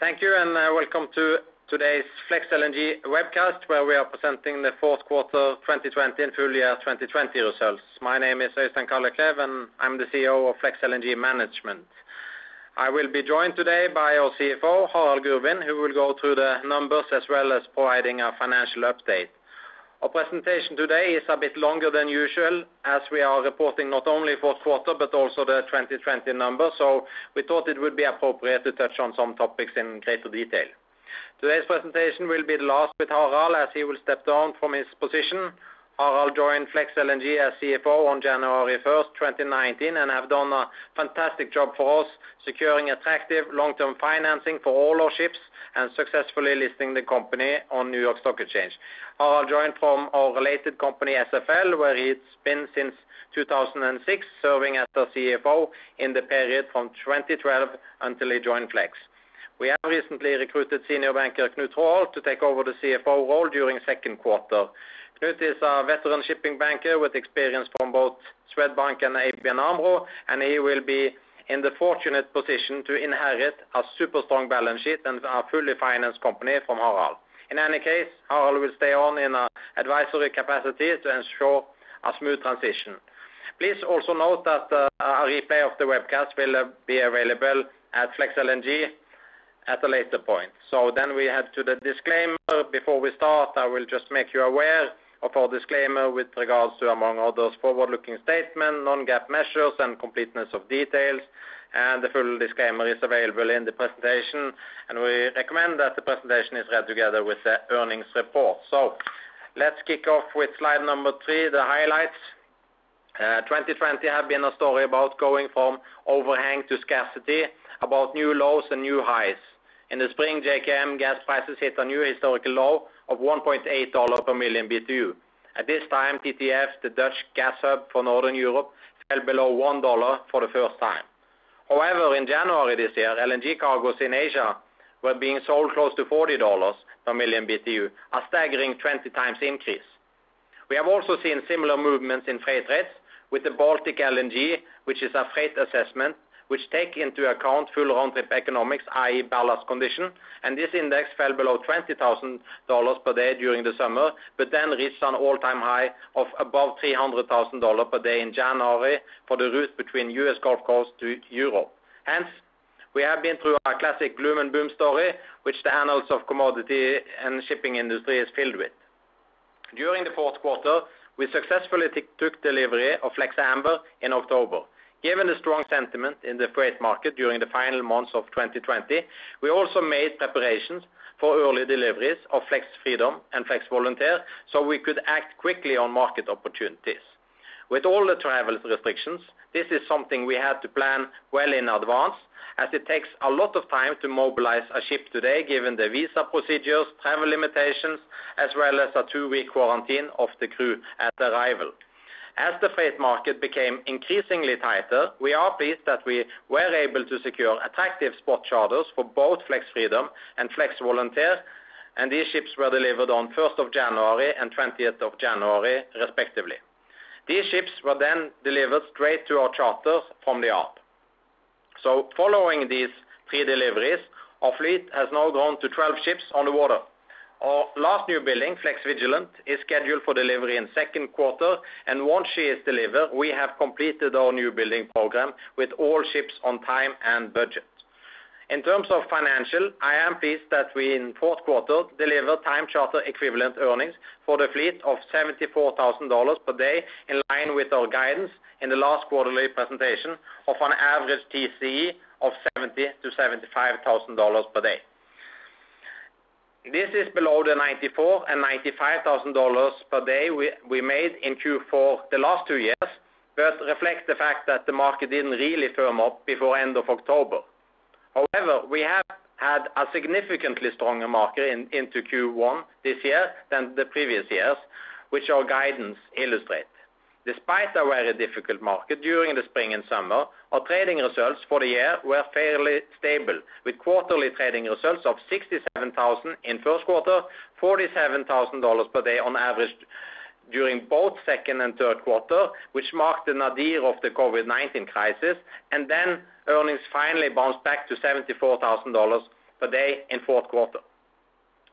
Thank you. Welcome to today's FLEX LNG webcast, where we are presenting the fourth quarter of 2020 and full year 2020 results. My name is Øystein Kalleklev. I'm the CEO of FLEX LNG Management. I will be joined today by our CFO, Harald Gurvin, who will go through the numbers as well as providing a financial update. Our presentation today is a bit longer than usual, as we are reporting not only first quarter, but also the 2020 numbers. We thought it would be appropriate to touch on some topics in greater detail. Today's presentation will be the last with Harald, as he will step down from his position. Harald joined FLEX LNG as CFO on January 1st, 2019, and have done a fantastic job for us securing attractive long-term financing for all our ships and successfully listing the company on New York Stock Exchange. Harald joined from our related company, SFL, where he's been since 2006, serving as their CFO in the period from 2012 until he joined FLEX. We have recently recruited senior banker Knut Traaholt to take over the CFO role during second quarter. Knut is our veteran shipping banker with experience from both Swedbank and ABN AMRO, and he will be in the fortunate position to inherit a super strong balance sheet and a fully financed company from Harald. In any case, Harald will stay on in an advisory capacity to ensure a smooth transition. Please also note that a replay of the webcast will be available at FLEX LNG at a later point. We head to the disclaimer. Before we start, I will just make you aware of our disclaimer with regards to, among others, forward-looking statements, non-GAAP measures, and completeness of details, and the full disclaimer is available in the presentation, and we recommend that the presentation is read together with the earnings report. Let's kick off with slide number three, the highlights. 2020 has been a story about going from overhang to scarcity, about new lows and new highs. In the spring, JKM gas prices hit a new historical low of $1.80 per million BTU. At this time, TTF, the Dutch gas hub for Northern Europe, fell below $1 for the first time. However, in January this year, LNG cargos in Asia were being sold close to $40 per million BTU, a staggering 20x increase. We have also seen similar movements in freight rates with the Baltic LNG, which is a freight assessment, which take into account full round-trip economics, i.e. ballast condition. This index fell below $20,000 per day during the summer, then reached an all-time high of above $300,000 per day in January for the route between U.S. Gulf Coast to Europe. We have been through our classic gloom and boom story, which the annals of commodity and shipping industry is filled with. During the fourth quarter, we successfully took delivery of FLEX Amber in October. Given the strong sentiment in the freight market during the final months of 2020, we also made preparations for early deliveries of FLEX Freedom and FLEX Volunteer so we could act quickly on market opportunities. With all the travel restrictions, this is something we had to plan well in advance, as it takes a lot of time to mobilize a ship today, given the visa procedures, travel limitations, as well as a two-week quarantine of the crew at arrival. As the freight market became increasingly tighter, we are pleased that we were able to secure attractive spot charters for both FLEX Freedom and FLEX Volunteer, and these ships were delivered on 1st of January and 20th of January respectively. These ships were delivered straight to our charters from the off. Following these three deliveries, our fleet has now grown to 12 ships on the water. Our last new building, FLEX Vigilant, is scheduled for delivery in second quarter, and once she is delivered, we have completed our new building program with all ships on time and budget. In terms of financial, I am pleased that we, in the fourth quarter, delivered time charter equivalent earnings for the fleet of $74,000 per day, in line with our guidance in the last quarterly presentation of an average TCE of $70,000-$75,000 per day. This is below the $94,000 and $95,000 per day we made in Q4 the last two years, but reflects the fact that the market didn't really firm up before end of October. However, we have had a significantly stronger market into Q1 this year than the previous years, which our guidance illustrates. Despite a very difficult market during the spring and summer, our trading results for the year were fairly stable, with quarterly trading results of $67,000 in first quarter, $47,000 per day on average during both second and third quarter, which marked the nadir of the COVID-19 crisis. Earnings finally bounced back to $74,000 per day in fourth quarter.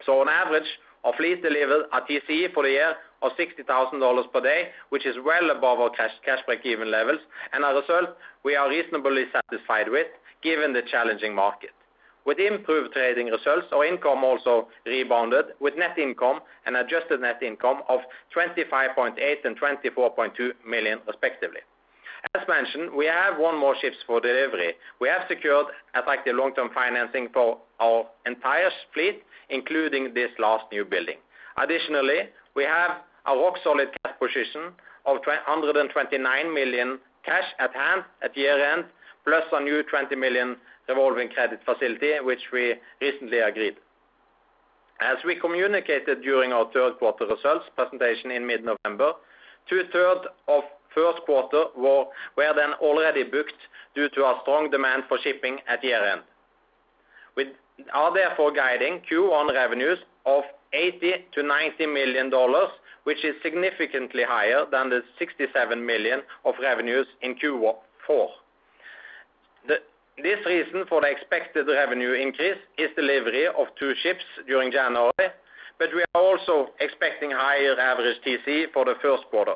On average, our fleet delivered a TCE for the year of $60,000 per day, which is well above our cash break-even levels, and a result we are reasonably satisfied with given the challenging market. With improved trading results, our income also rebounded with net income and adjusted net income of $25.8 million and $24.2 million respectively. As mentioned, we have one more ships for delivery. We have secured effective long-term financing for our entire fleet, including this last new building. Additionally, we have a rock-solid cash position of $129 million cash at hand at year-end, plus a new $20 million revolving credit facility, which we recently agreed. As we communicated during our third quarter results presentation in mid-November, two-thirds of first quarter were then already booked due to our strong demand for shipping at year-end. We are therefore guiding Q1 revenues of $80 million-$90 million, which is significantly higher than the $67 million of revenues in Q4. This reason for the expected revenue increase is delivery of two ships during January, but we are also expecting higher average TC for the first quarter.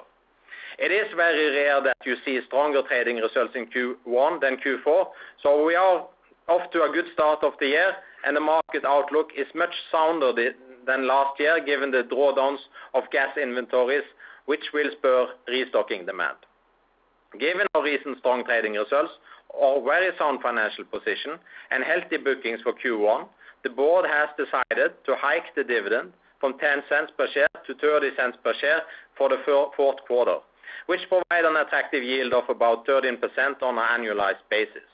It is very rare that you see stronger trading results in Q1 than Q4, so we are off to a good start of the year, and the market outlook is much sounder than last year, given the drawdowns of gas inventories, which will spur restocking demand. Given our recent strong trading results, our very sound financial position, and healthy bookings for Q1, the board has decided to hike the dividend from $0.10 per share to $0.30 per share for the fourth quarter, which provide an attractive yield of about 13% on an annualized basis.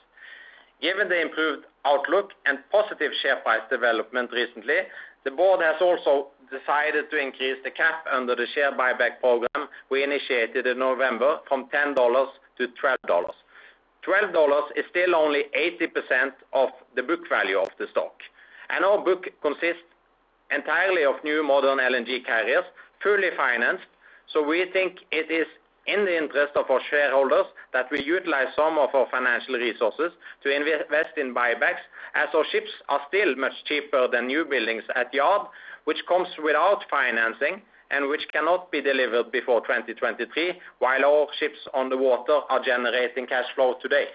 Given the improved outlook and positive share price development recently, the board has also decided to increase the cap under the share buyback program we initiated in November from $10 to $12. $12 is still only 80% of the book value of the stock. Our book consists entirely of new modern LNG carriers, fully financed. We think it is in the interest of our shareholders that we utilize some of our financial resources to invest in buybacks, as our ships are still much cheaper than new buildings at yard, which comes without financing and which cannot be delivered before 2023, while our ships on the water are generating cash flow today.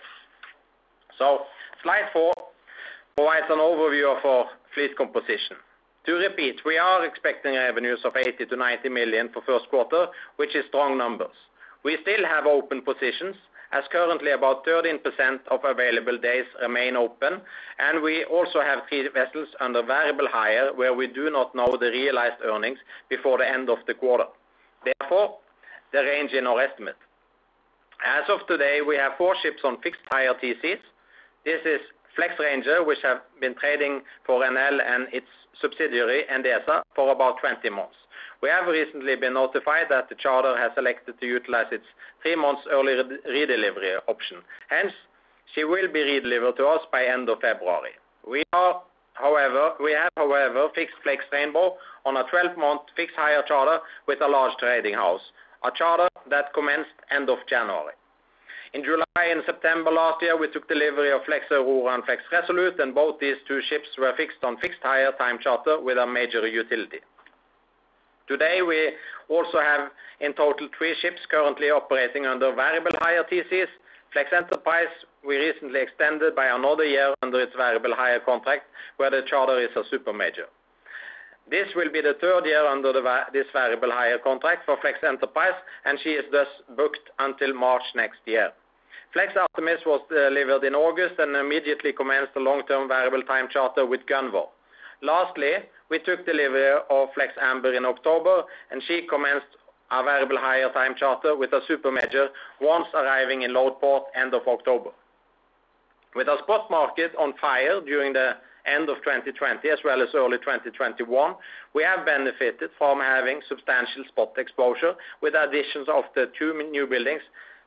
Slide four provides an overview of our fleet composition. To repeat, we are expecting revenues of $80 million-$90 million for first quarter, which is strong numbers. We still have open positions, as currently about 13% of available days remain open, and we also have three vessels under variable hire, where we do not know the realized earnings before the end of the quarter, therefore the range in our estimate. As of today, we have four ships on fixed hir TCs. This is FLEX Ranger, which have been trading for Enel and its subsidiary, Endesa, for about 20 months. We have recently been notified that the charter has elected to utilize its three months early redelivery option. She will be redelivered to us by end of February. We have, however, fixed FLEX Rainbow on a 12-month fixed higher charter with a large trading house, a charter that commenced end of January. In July and September last year, we took delivery of FLEX Aurora and FLEX Resolute, both these two ships were fixed on fixed higher time charter with a major utility. Today, we also have in total three ships currently operating under variable hire TCs. FLEX Enterprise, we recently extended by another year under its variable hire contract where the charter is a super major. This will be the third year under this variable hire contract for FLEX Enterprise, she is thus booked until March next year. FLEX Artemis was delivered in August, immediately commenced a long-term variable time charter with Gunvor. Lastly, we took delivery of FLEX Amber in October, she commenced a variable hire time charter with a supermajor once arriving in load port end of October. With the spot market on fire during the end of 2020 as well as early 2021, we have benefited from having substantial spot exposure with additions of the two newbuildings,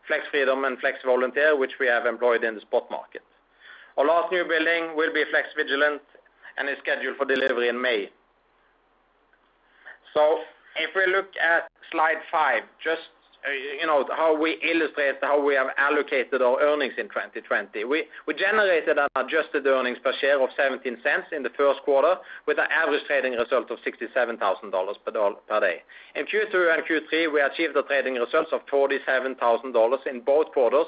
FLEX Freedom and FLEX Volunteer, which we have employed in the spot market. Our last newbuilding will be FLEX Vigilant, is scheduled for delivery in May. If we look at slide five, just how we illustrate how we have allocated our earnings in 2020. We generated an adjusted earnings per share of $0.17 in the first quarter with an average trading result of $67,000 per day. In Q2 and Q3, we achieved the trading results of $47,000 in both quarters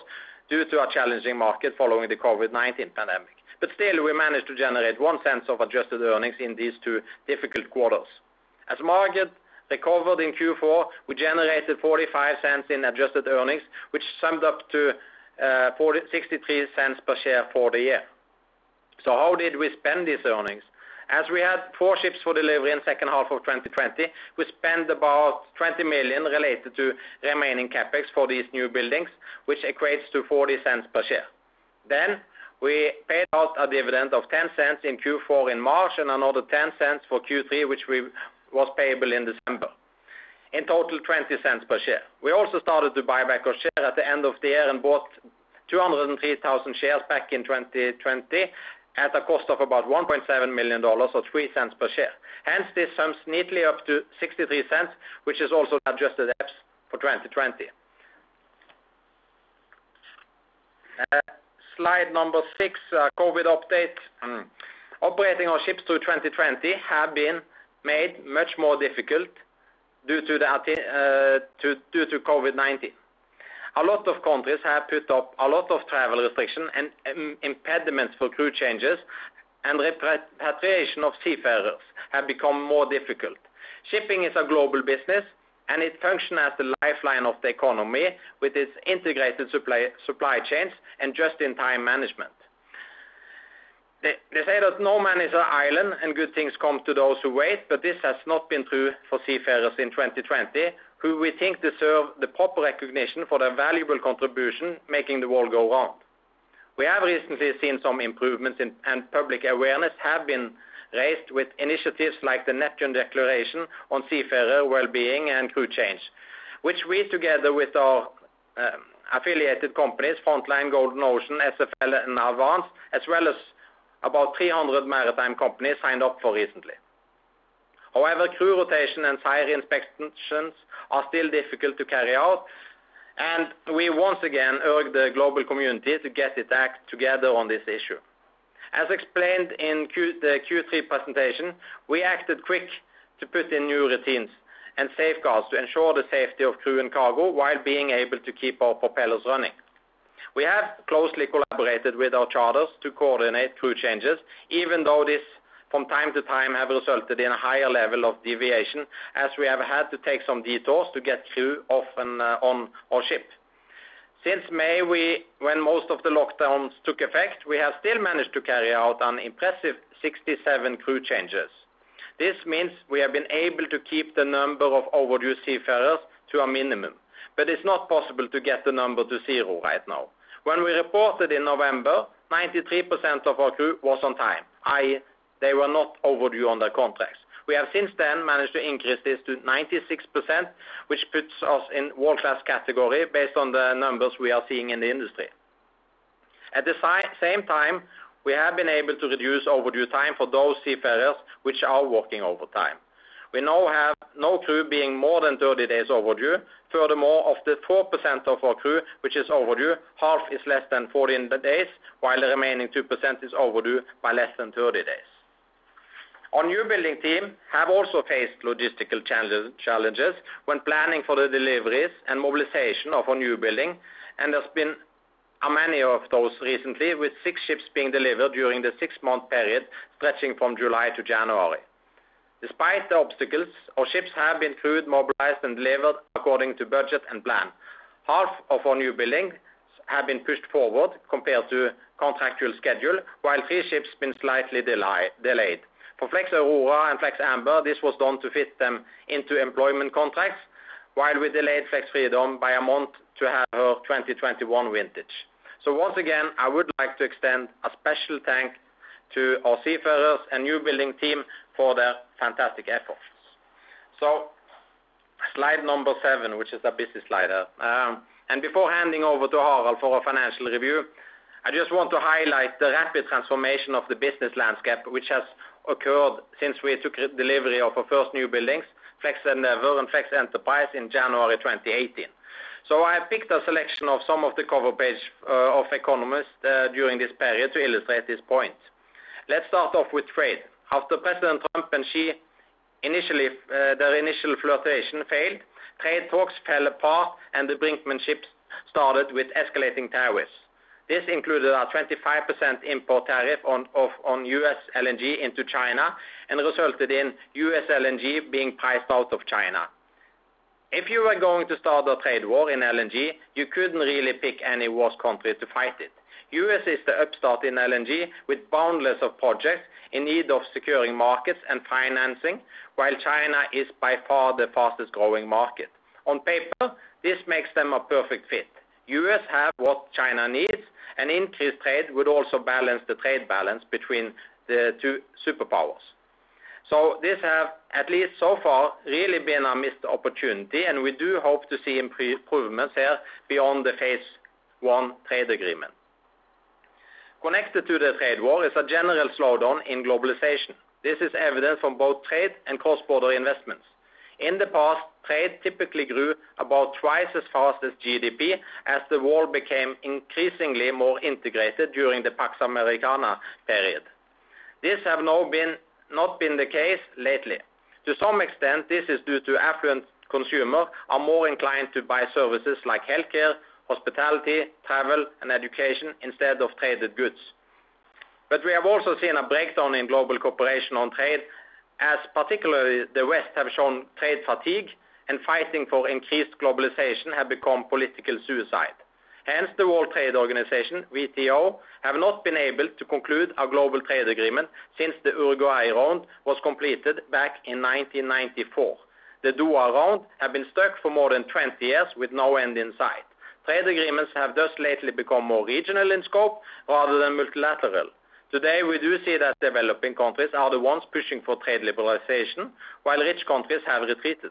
due to a challenging market following the COVID-19 pandemic. Still, we managed to generate $0.01 of adjusted earnings in these two difficult quarters. Market recovered in Q4, we generated $0.45 in adjusted earnings, which summed up to $4.63 per share for the year. How did we spend these earnings? We had four ships for delivery in second half of 2020, we spent about $20 million related to remaining CapEx for these new buildings, which equates to $0.40 per share. We paid out a dividend of $0.10 in Q4 in March and another $0.10 for Q3, which was payable in December. In total, $0.20 per share. We also started to buy back our share at the end of the year and bought 203,000 shares back in 2020 at a cost of about $1.7 million, or $0.03 per share. This sums neatly up to $0.63, which is also adjusted EPS for 2020. Slide number six, COVID update. Operating our ships through 2020 have been made much more difficult due to COVID-19. A lot of countries have put up a lot of travel restriction and impediments for crew changes, and repatriation of seafarers have become more difficult. Shipping is a global business, and it function as the lifeline of the economy with its integrated supply chains and just-in-time management. They say that no man is an island and good things come to those who wait, but this has not been true for seafarers in 2020, who we think deserve the proper recognition for their valuable contribution making the world go on. We have recently seen some improvements and public awareness have been raised with initiatives like the Neptune Declaration on Seafarer Wellbeing and Crew Change, which we together with our affiliated companies, Frontline, Golden Ocean, SFL, and Avance Gas, as well as about 300 maritime companies signed up for recently. However, crew rotation and site inspections are still difficult to carry out, and we once again urge the global community to get its act together on this issue. As explained in the Q3 presentation, we acted quick to put in new routines and safeguards to ensure the safety of crew and cargo while being able to keep our propellers running. We have closely collaborated with our charters to coordinate crew changes, even though this from time to time have resulted in a higher level of deviation, as we have had to take some detours to get crew off and on our ship. Since May, when most of the lockdowns took effect, we have still managed to carry out an impressive 67 crew changes. This means we have been able to keep the number of overdue seafarers to a minimum, but it's not possible to get the number to zero right now. When we reported in November, 93% of our crew was on time, i.e., they were not overdue on their contracts. We have since then managed to increase this to 96%, which puts us in world-class category based on the numbers we are seeing in the industry. At the same time, we have been able to reduce overdue time for those seafarers which are working overtime. We now have no crew being more than 30 days overdue. Furthermore, of the 4% of our crew which is overdue, half is less than 14 days, while the remaining 2% is overdue by less than 30 days. Our new building team have also faced logistical challenges when planning for the deliveries and mobilization of our new building, and there has been many of those recently, with six ships being delivered during the six-month period stretching from July to January. Despite the obstacles, our ships have been crewed, mobilized, and delivered according to budget and plan. Half of our new buildings have been pushed forward compared to contractual schedule, while three ships been slightly delayed. For FLEX Aurora and FLEX Amber, this was done to fit them into employment contracts, while we delayed FLEX Freedom by a month to have her 2021 vintage. Once again, I would like to extend a special thank to our seafarers and new building team for their fantastic efforts. Slide number seven, which is a business slider. Before handing over to Harald for our financial review, I just want to highlight the rapid transformation of the business landscape, which has occurred since we took delivery of our first new buildings, FLEX Endeavor and FLEX Enterprise, in January 2018. I have picked a selection of some of the cover page of The Economist during this period to illustrate this point. Let's start off with trade. After President Trump and Xi, their initial flirtation failed, trade talks fell apart, and the brinkmanship started with escalating tariffs. This included a 25% import tariff on U.S. LNG into China and resulted in U.S. LNG being priced out of China. If you were going to start a trade war in LNG, you couldn't really pick any worse country to fight it. U.S. is the upstart in LNG with boundless of projects in need of securing markets and financing, while China is by far the fastest-growing market. On paper, this makes them a perfect fit. U.S. have what China needs. Increased trade would also balance the trade balance between the two superpowers. This has, at least so far, really been a missed opportunity, and we do hope to see improvements here beyond the phase I trade agreement. Connected to the trade war is a general slowdown in globalization. This is evident from both trade and cross-border investments. In the past, trade typically grew about twice as fast as GDP as the world became increasingly more integrated during the Pax Americana period. This has not been the case lately. To some extent, this is due to affluent consumers are more inclined to buy services like healthcare, hospitality, travel, and education instead of traded goods. We have also seen a breakdown in global cooperation on trade, as particularly the West has shown trade fatigue and fighting for increased globalization has become political suicide. The World Trade Organization, WTO, has not been able to conclude a global trade agreement since the Uruguay Round was completed back in 1994. The Doha Round has been stuck for more than 20 years with no end in sight. Trade agreements have thus lately become more regional in scope rather than multilateral. Today, we do see that developing countries are the ones pushing for trade liberalization, while rich countries have retreated.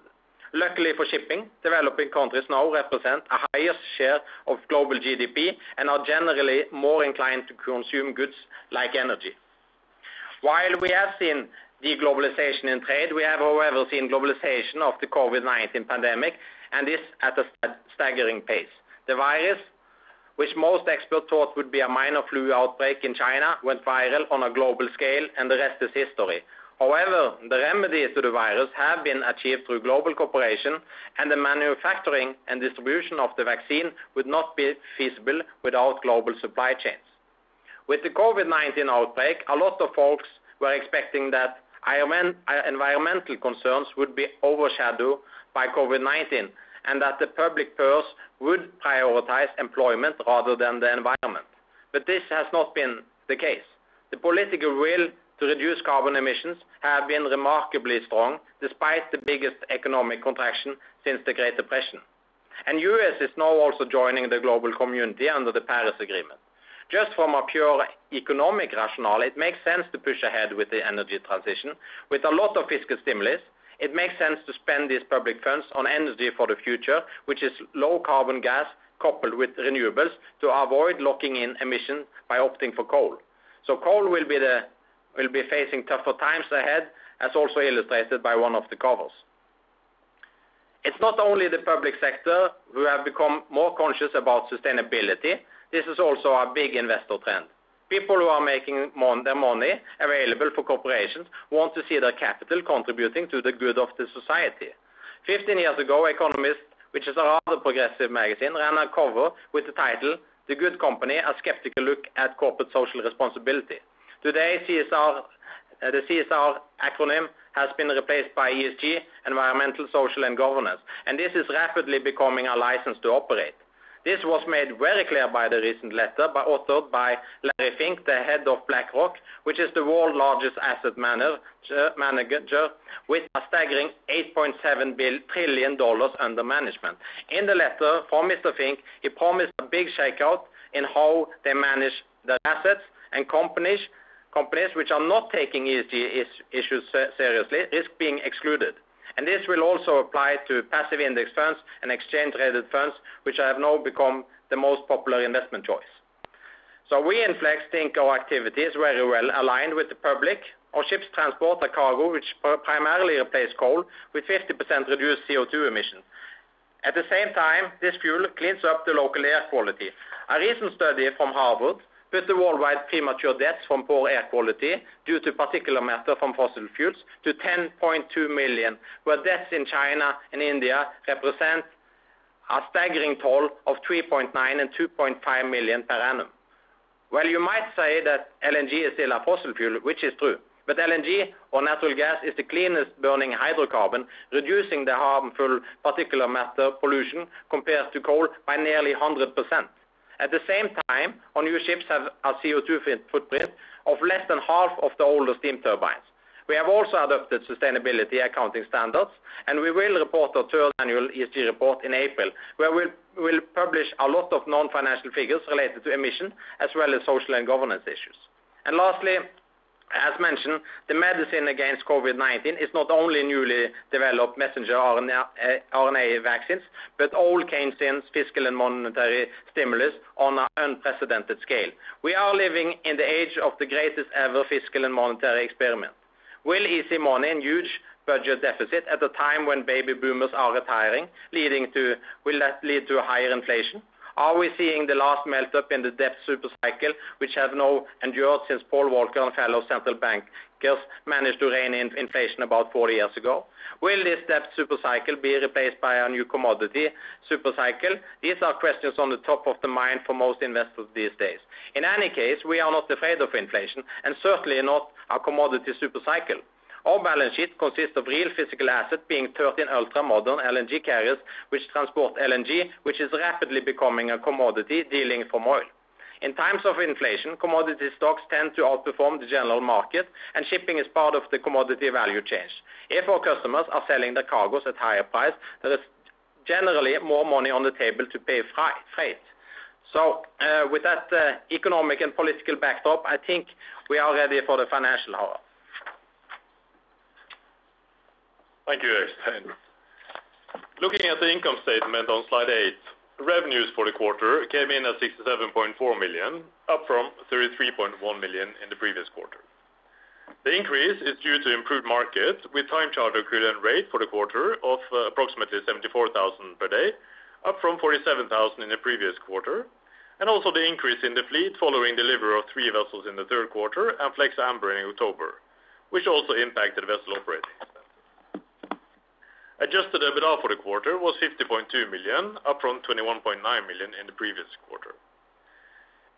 Luckily for shipping, developing countries now represent a highest share of global GDP and are generally more inclined to consume goods like energy. While we have seen de-globalization in trade, we have, however, seen globalization of the COVID-19 pandemic, and this at a staggering pace. The virus, which most experts thought would be a minor flu outbreak in China, went viral on a global scale, and the rest is history. The remedy to the virus have been achieved through global cooperation, and the manufacturing and distribution of the vaccine would not be feasible without global supply chains. With the COVID-19 outbreak, a lot of folks were expecting that environmental concerns would be overshadowed by COVID-19 and that the public purse would prioritize employment rather than the environment. This has not been the case. The political will to reduce carbon emissions have been remarkably strong despite the biggest economic contraction since the Great Depression. U.S. is now also joining the global community under the Paris Agreement. Just from a pure economic rationale, it makes sense to push ahead with the energy transition. With a lot of fiscal stimulus, it makes sense to spend these public funds on energy for the future, which is low carbon gas coupled with renewables to avoid locking in emissions by opting for coal. Coal will be facing tougher times ahead, as also illustrated by one of the covers. It's not only the public sector who have become more conscious about sustainability, this is also a big investor trend. People who are making their money available for corporations want to see their capital contributing to the good of the society. 15 years ago, The Economist, which is a rather progressive magazine, ran a cover with the title, The Good Company: A Skeptical Look at Corporate Social Responsibility. Today, the CSR acronym has been replaced by ESG, environmental, social, and governance, and this is rapidly becoming a license to operate. This was made very clear by the recent letter authored by Larry Fink, the head of BlackRock, which is the world's largest asset manager with a staggering $8.7 trillion under management. In the letter from Mr. Fink, he promised a big shakeout in how they manage their assets, and companies which are not taking ESG issues seriously risk being excluded. This will also apply to passive index funds and exchange-traded funds, which have now become the most popular investment choice. We in Flex think our activity is very well aligned with the public. Our ships transport a cargo which primarily replaces coal with 50% reduced CO₂ emissions. At the same time, this fuel cleans up the local air quality. A recent study from Harvard put the worldwide premature deaths from poor air quality due to particulate matter from fossil fuels to 10.2 million, where deaths in China and India represent a staggering toll of 3.9 million and 2.5 million per annum. Well, you might say that LNG is still a fossil fuel, which is true, but LNG or natural gas is the cleanest burning hydrocarbon, reducing the harmful particulate matter pollution compared to coal by nearly 100%. At the same time, our new ships have a CO₂ footprint of less than half of the older steam turbines. We have also adapted the sustainability accounting standards, and we will report our third annual ESG report in April, where we will publish a lot of non-financial figures related to emissions, as well as social and governance issues. Lastly, as mentioned, the medicine against COVID-19 is not only newly developed messenger RNA vaccines, but all Keynesians fiscal and monetary stimulus on an unprecedented scale. We are living in the age of the greatest ever fiscal and monetary experiment. Will easy money and huge budget deficit at a time when baby boomers are retiring, will that lead to a higher inflation? Are we seeing the last melt up in the debt super cycle, which have now endured since Paul Volcker and fellow central bankers managed to rein in inflation about 40 years ago? Will this debt super cycle be replaced by a new commodity super cycle? These are questions on the top of the mind for most investors these days. In any case, we are not afraid of inflation, and certainly not a commodity super cycle. Our balance sheet consists of real physical assets, being 13 ultra-modern LNG carriers, which transport LNG, which is rapidly becoming a commodity decoupling from oil. In times of inflation, commodity stocks tend to outperform the general market, and shipping is part of the commodity value chain. If our customers are selling their cargos at higher price, there is generally more money on the table to pay freight. With that economic and political backdrop, I think we are ready for the financial hour. Thank you, Øystein. Looking at the income statement on slide eight, revenues for the quarter came in at $67.4 million, up from $33.1 million in the previous quarter. The increase is due to improved market, with time charter equivalent rate for the quarter of approximately $74,000 per day, up from $47,000 in the previous quarter, and also the increase in the fleet following delivery of three vessels in the third quarter and FLEX Amber in October, which also impacted vessel operating expenses. Adjusted EBITDA for the quarter was $50.2 million, up from $21.9 million in the previous quarter.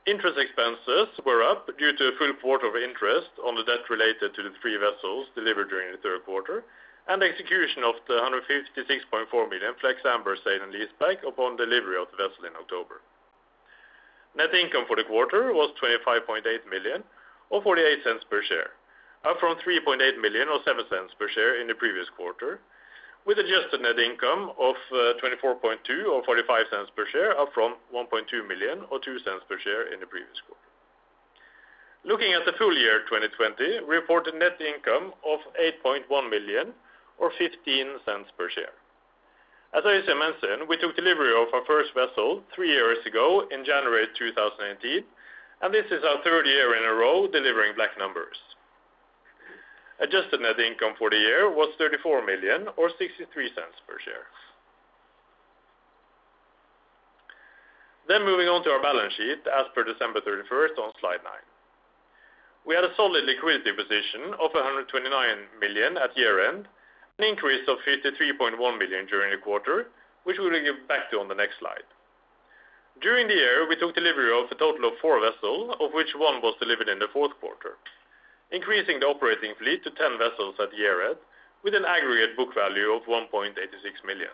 Interest expenses were up due to a full quarter of interest on the debt related to the three vessels delivered during the third quarter, and the execution of the $156.4 million FLEX Amber sale and lease back upon delivery of the vessel in October. Net income for the quarter was $25.8 million, or $0.48 per share, up from $3.8 million or $0.07 per share in the previous quarter, with adjusted net income of $24.2 million or $0.45 per share up from $1.2 million or $0.02 per share in the previous quarter. Looking at the full year 2020, we reported net income of $8.1 million or $0.15 per share. As Øystein mentioned, we took delivery of our first vessel three years ago in January 2018, and this is our third year in a row delivering black numbers. Adjusted net income for the year was $34 million or $0.63 per share. Moving on to our balance sheet as per December 31st on slide nine. We had a solid liquidity position of $129 million at year-end, an increase of $53.1 million during the quarter, which we will get back to on the next slide. During the year, we took delivery of a total of four vessels, of which one was delivered in the fourth quarter, increasing the operating fleet to 10 vessels at year-end with an aggregate book value of $1.86 million.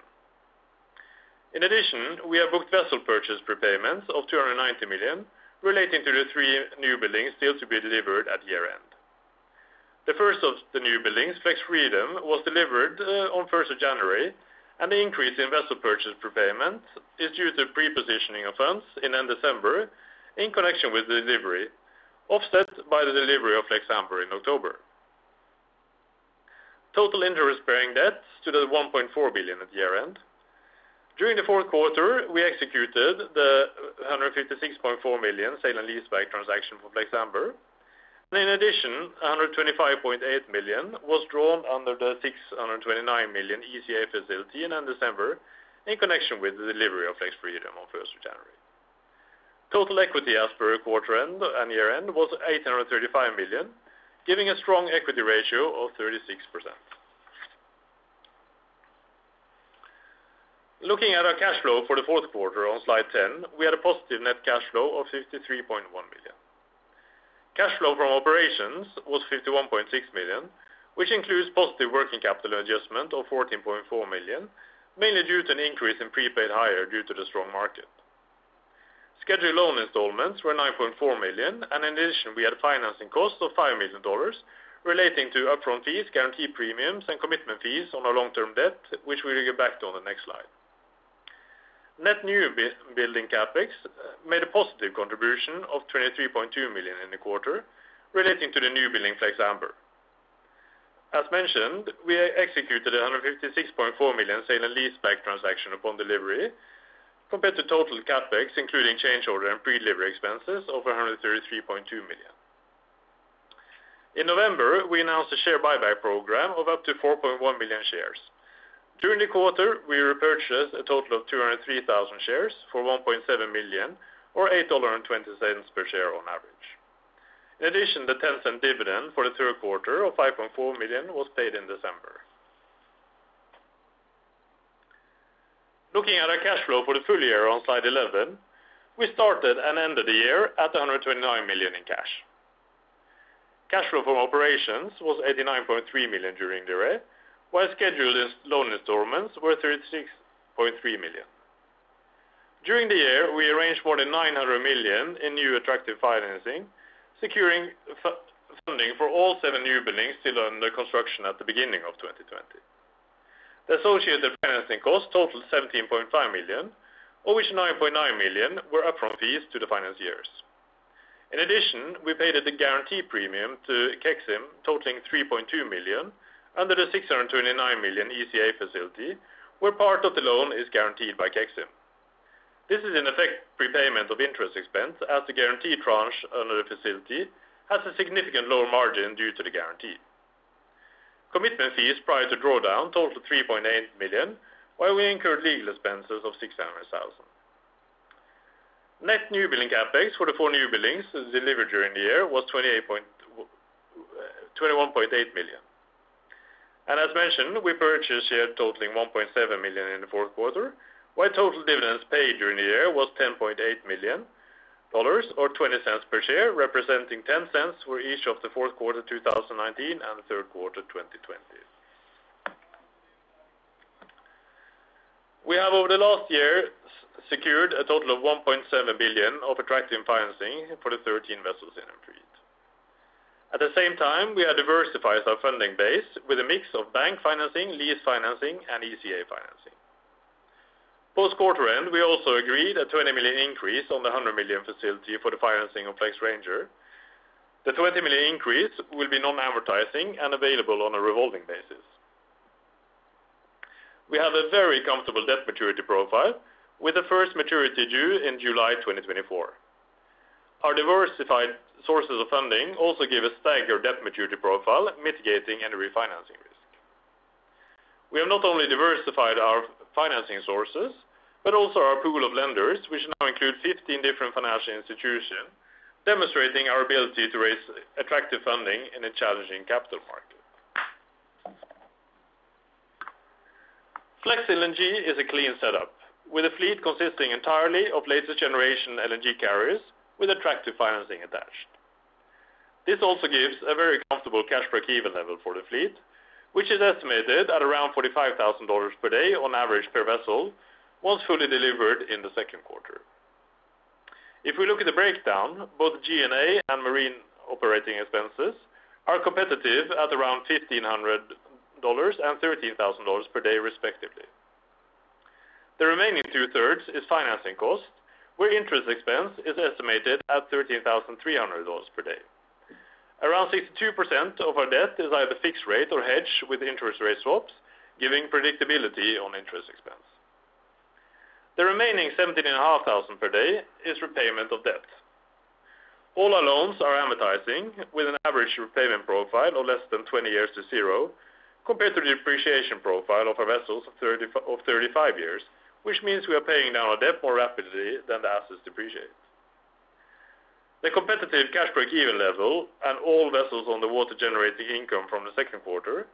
In addition, we have booked vessel purchase prepayments of $290 million relating to the three new buildings still to be delivered at year-end. The first of the new buildings, FLEX Freedom, was delivered on 1st of January, and the increase in vessel purchase prepayment is due to pre-positioning of funds in December in connection with the delivery, offset by the delivery of FLEX Amber in October. Total interest-bearing debt stood at $1.4 billion at year-end. During the fourth quarter, we executed the $156.4 million sale and leaseback transaction for FLEX Amber. In addition, $125.8 million was drawn under the $629 million ECA facility in December in connection with the delivery of FLEX Freedom on 1st of January. Total equity as per quarter end and year-end was $835 million, giving a strong equity ratio of 36%. Looking at our cash flow for the fourth quarter on slide 10, we had a positive net cash flow of $53.1 million. Cash flow from operations was $51.6 million, which includes positive working capital adjustment of $14.4 million, mainly due to an increase in prepaid hire due to the strong market. Scheduled loan installments were $9.4 million, and in addition, we had financing costs of $5 million relating to upfront fees, guarantee premiums, and commitment fees on our long-term debt, which we will get back to on the next slide. Net new building CapEx made a positive contribution of $23.2 million in the quarter relating to the new building, FLEX Amber. As mentioned, we executed $156.4 million sale and leaseback transaction upon delivery compared to total CapEx, including change order and pre-delivery expenses of $133.2 million. In November, we announced a share buyback program of up to 4.1 million shares. During the quarter, we repurchased a total of 203,000 shares for $1.7 million, or $8.20 per share on average. In addition, the $0.10 dividend for the third quarter of $5.4 million was paid in December. Looking at our cash flow for the full year on slide 11, we started and ended the year at $129 million in cash. Cash flow from operations was $89.3 million during the year, while scheduled loan installments were $36.3 million. During the year, we arranged more than $900 million in new attractive financing, securing funding for all seven new buildings still under construction at the beginning of 2020. The associated financing cost totaled $17.5 million, of which $9.9 million were upfront fees to the financiers. In addition, we paid the guarantee premium to Exim totaling $3.2 million under the $629 million ECA facility, where part of the loan is guaranteed by Exim. This is in effect prepayment of interest expense as the guaranteed tranche under the facility has a significant lower margin due to the guarantee. Commitment fees prior to drawdown totaled $3.8 million, while we incurred legal expenses of $600,000. Net new building CapEx for the four new buildings delivered during the year was $21.8 million. As mentioned, we purchased shares totaling 1.7 million in the fourth quarter, while total dividends paid during the year was $10.8 million, or $0.20 per share, representing $0.10 for each of the fourth quarter 2019 and third quarter 2020. We have over the last year secured a total of $1.7 billion of attractive financing for the 13 vessels in our fleet. At the same time, we have diversified our funding base with a mix of bank financing, lease financing, and ECA financing. Post quarter end, we also agreed a $20 million increase on the $100 million facility for the financing of FLEX Ranger. The $20 million increase will be non-amortizing and available on a revolving basis. We have a very comfortable debt maturity profile with the first maturity due in July 2024. Our diversified sources of funding also give a staggered debt maturity profile, mitigating any refinancing risk. We have not only diversified our financing sources, but also our pool of lenders, which now include 15 different financial institutions, demonstrating our ability to raise attractive funding in a challenging capital market. FLEX LNG is a clean setup with a fleet consisting entirely of latest generation LNG carriers with attractive financing attached. This also gives a very comfortable cash break-even level for the fleet, which is estimated at around $45,000 per day on average per vessel once fully delivered in the second quarter. If we look at the breakdown, both G&A and marine operating expenses are competitive at around $1,500 and $13,000 per day respectively. The remaining two-thirds is financing cost, where interest expense is estimated at $13,300 per day. Around 62% of our debt is either fixed rate or hedged with interest rate swaps, giving predictability on interest expense. The remaining $17,500 per day is repayment of debt. All our loans are amortizing with an average repayment profile of less than 20 years to zero compared to the depreciation profile of our vessels of 35 years, which means we are paying down our debt more rapidly than the assets depreciate. The competitive cash break-even level and all vessels on the water generating income from the second quarter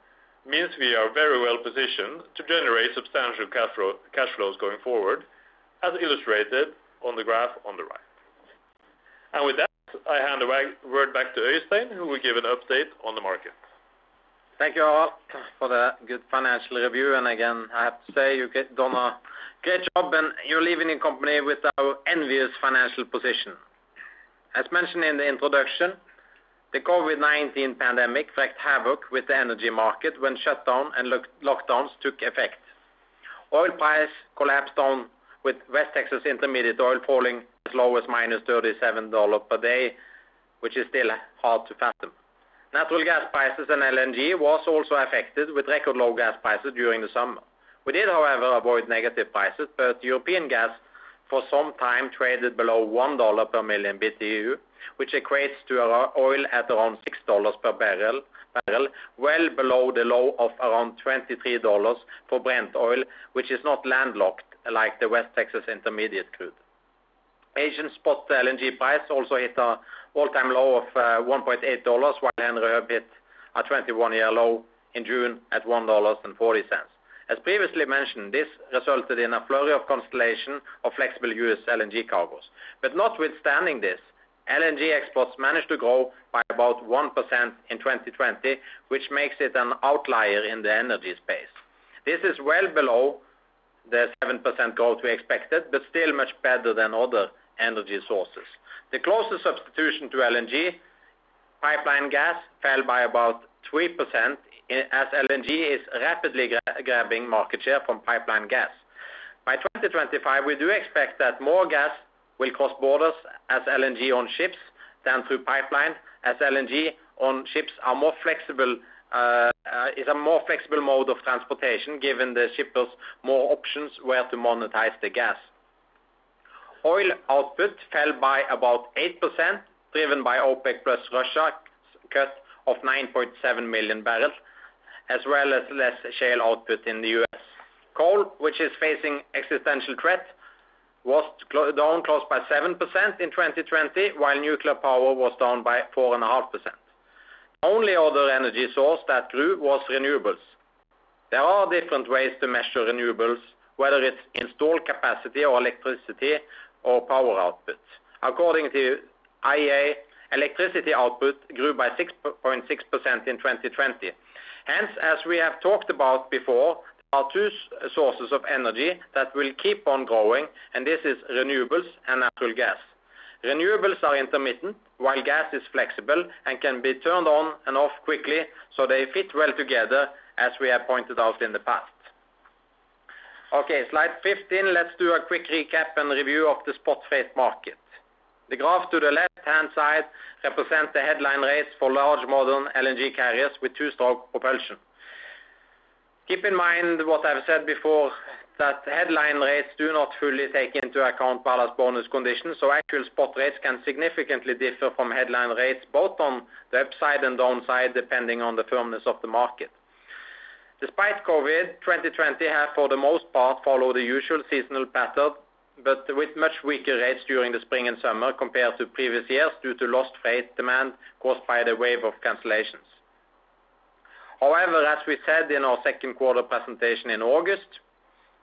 means we are very well positioned to generate substantial cash flows going forward, as illustrated on the graph on the right. With that, I hand the word back to Øystein, who will give an update on the market. Thank you all for the good financial review. Again, I have to say you done a great job and you're leaving the company with our envious financial position. As mentioned in the introduction, the COVID-19 pandemic wreaked havoc with the energy market when shutdown and lockdowns took effect. Oil price collapsed down with West Texas Intermediate oil falling as low as -$37 per day, which is still hard to fathom. Natural gas prices and LNG was also affected with record low gas prices during the summer. We did, however, avoid negative prices, European gas for some time traded below $1 per million BTU, which equates to oil at around $6 per barrel, well below the low of around $23 for Brent oil, which is not landlocked like the West Texas Intermediate crude. Asian spot LNG price also hit an all-time low of $1.81, hit a 21-year low in June at $1.40. As previously mentioned, this resulted in a flurry of cancellation of flexible U.S. LNG cargoes. Notwithstanding this, LNG exports managed to grow by about 1% in 2020, which makes it an outlier in the energy space. This is well below the 7% growth we expected, but still much better than other energy sources. The closest substitution to LNG, pipeline gas, fell by about 3% as LNG is rapidly grabbing market share from pipeline gas. By 2025, we do expect that more gas will cross borders as LNG on ships than through pipeline, as LNG on ships is a more flexible mode of transportation given the shippers more options where to monetize the gas. Oil output fell by about 8%, driven by OPEC plus Russia cuts of 9.7 million barrels, as well as less shale output in the U.S. Coal, which is facing existential threat, was down close by 7% in 2020, while nuclear power was down by 4.5%. Only other energy source that grew was renewables. There are different ways to measure renewables, whether it's installed capacity or electricity or power output. According to IEA, electricity output grew by 6.6% in 2020. Hence, as we have talked about before, there are two sources of energy that will keep on growing, and this is renewables and natural gas. Renewables are intermittent, while gas is flexible and can be turned on and off quickly, so they fit well together as we have pointed out in the past. Okay, slide 15, let's do a quick recap and review of the spot freight market. The graph to the left-hand side represents the headline rates for large modern LNG carriers with two stroke propulsion. Keep in mind what I've said before that headline rates do not fully take into account ballast bonus conditions, so actual spot rates can significantly differ from headline rates, both on the upside and downside, depending on the firmness of the market. Despite COVID-19, 2020 has, for the most part, followed the usual seasonal pattern, but with much weaker rates during the spring and summer compared to previous years due to lost freight demand caused by the wave of cancellations. As we said in our second quarter presentation in August,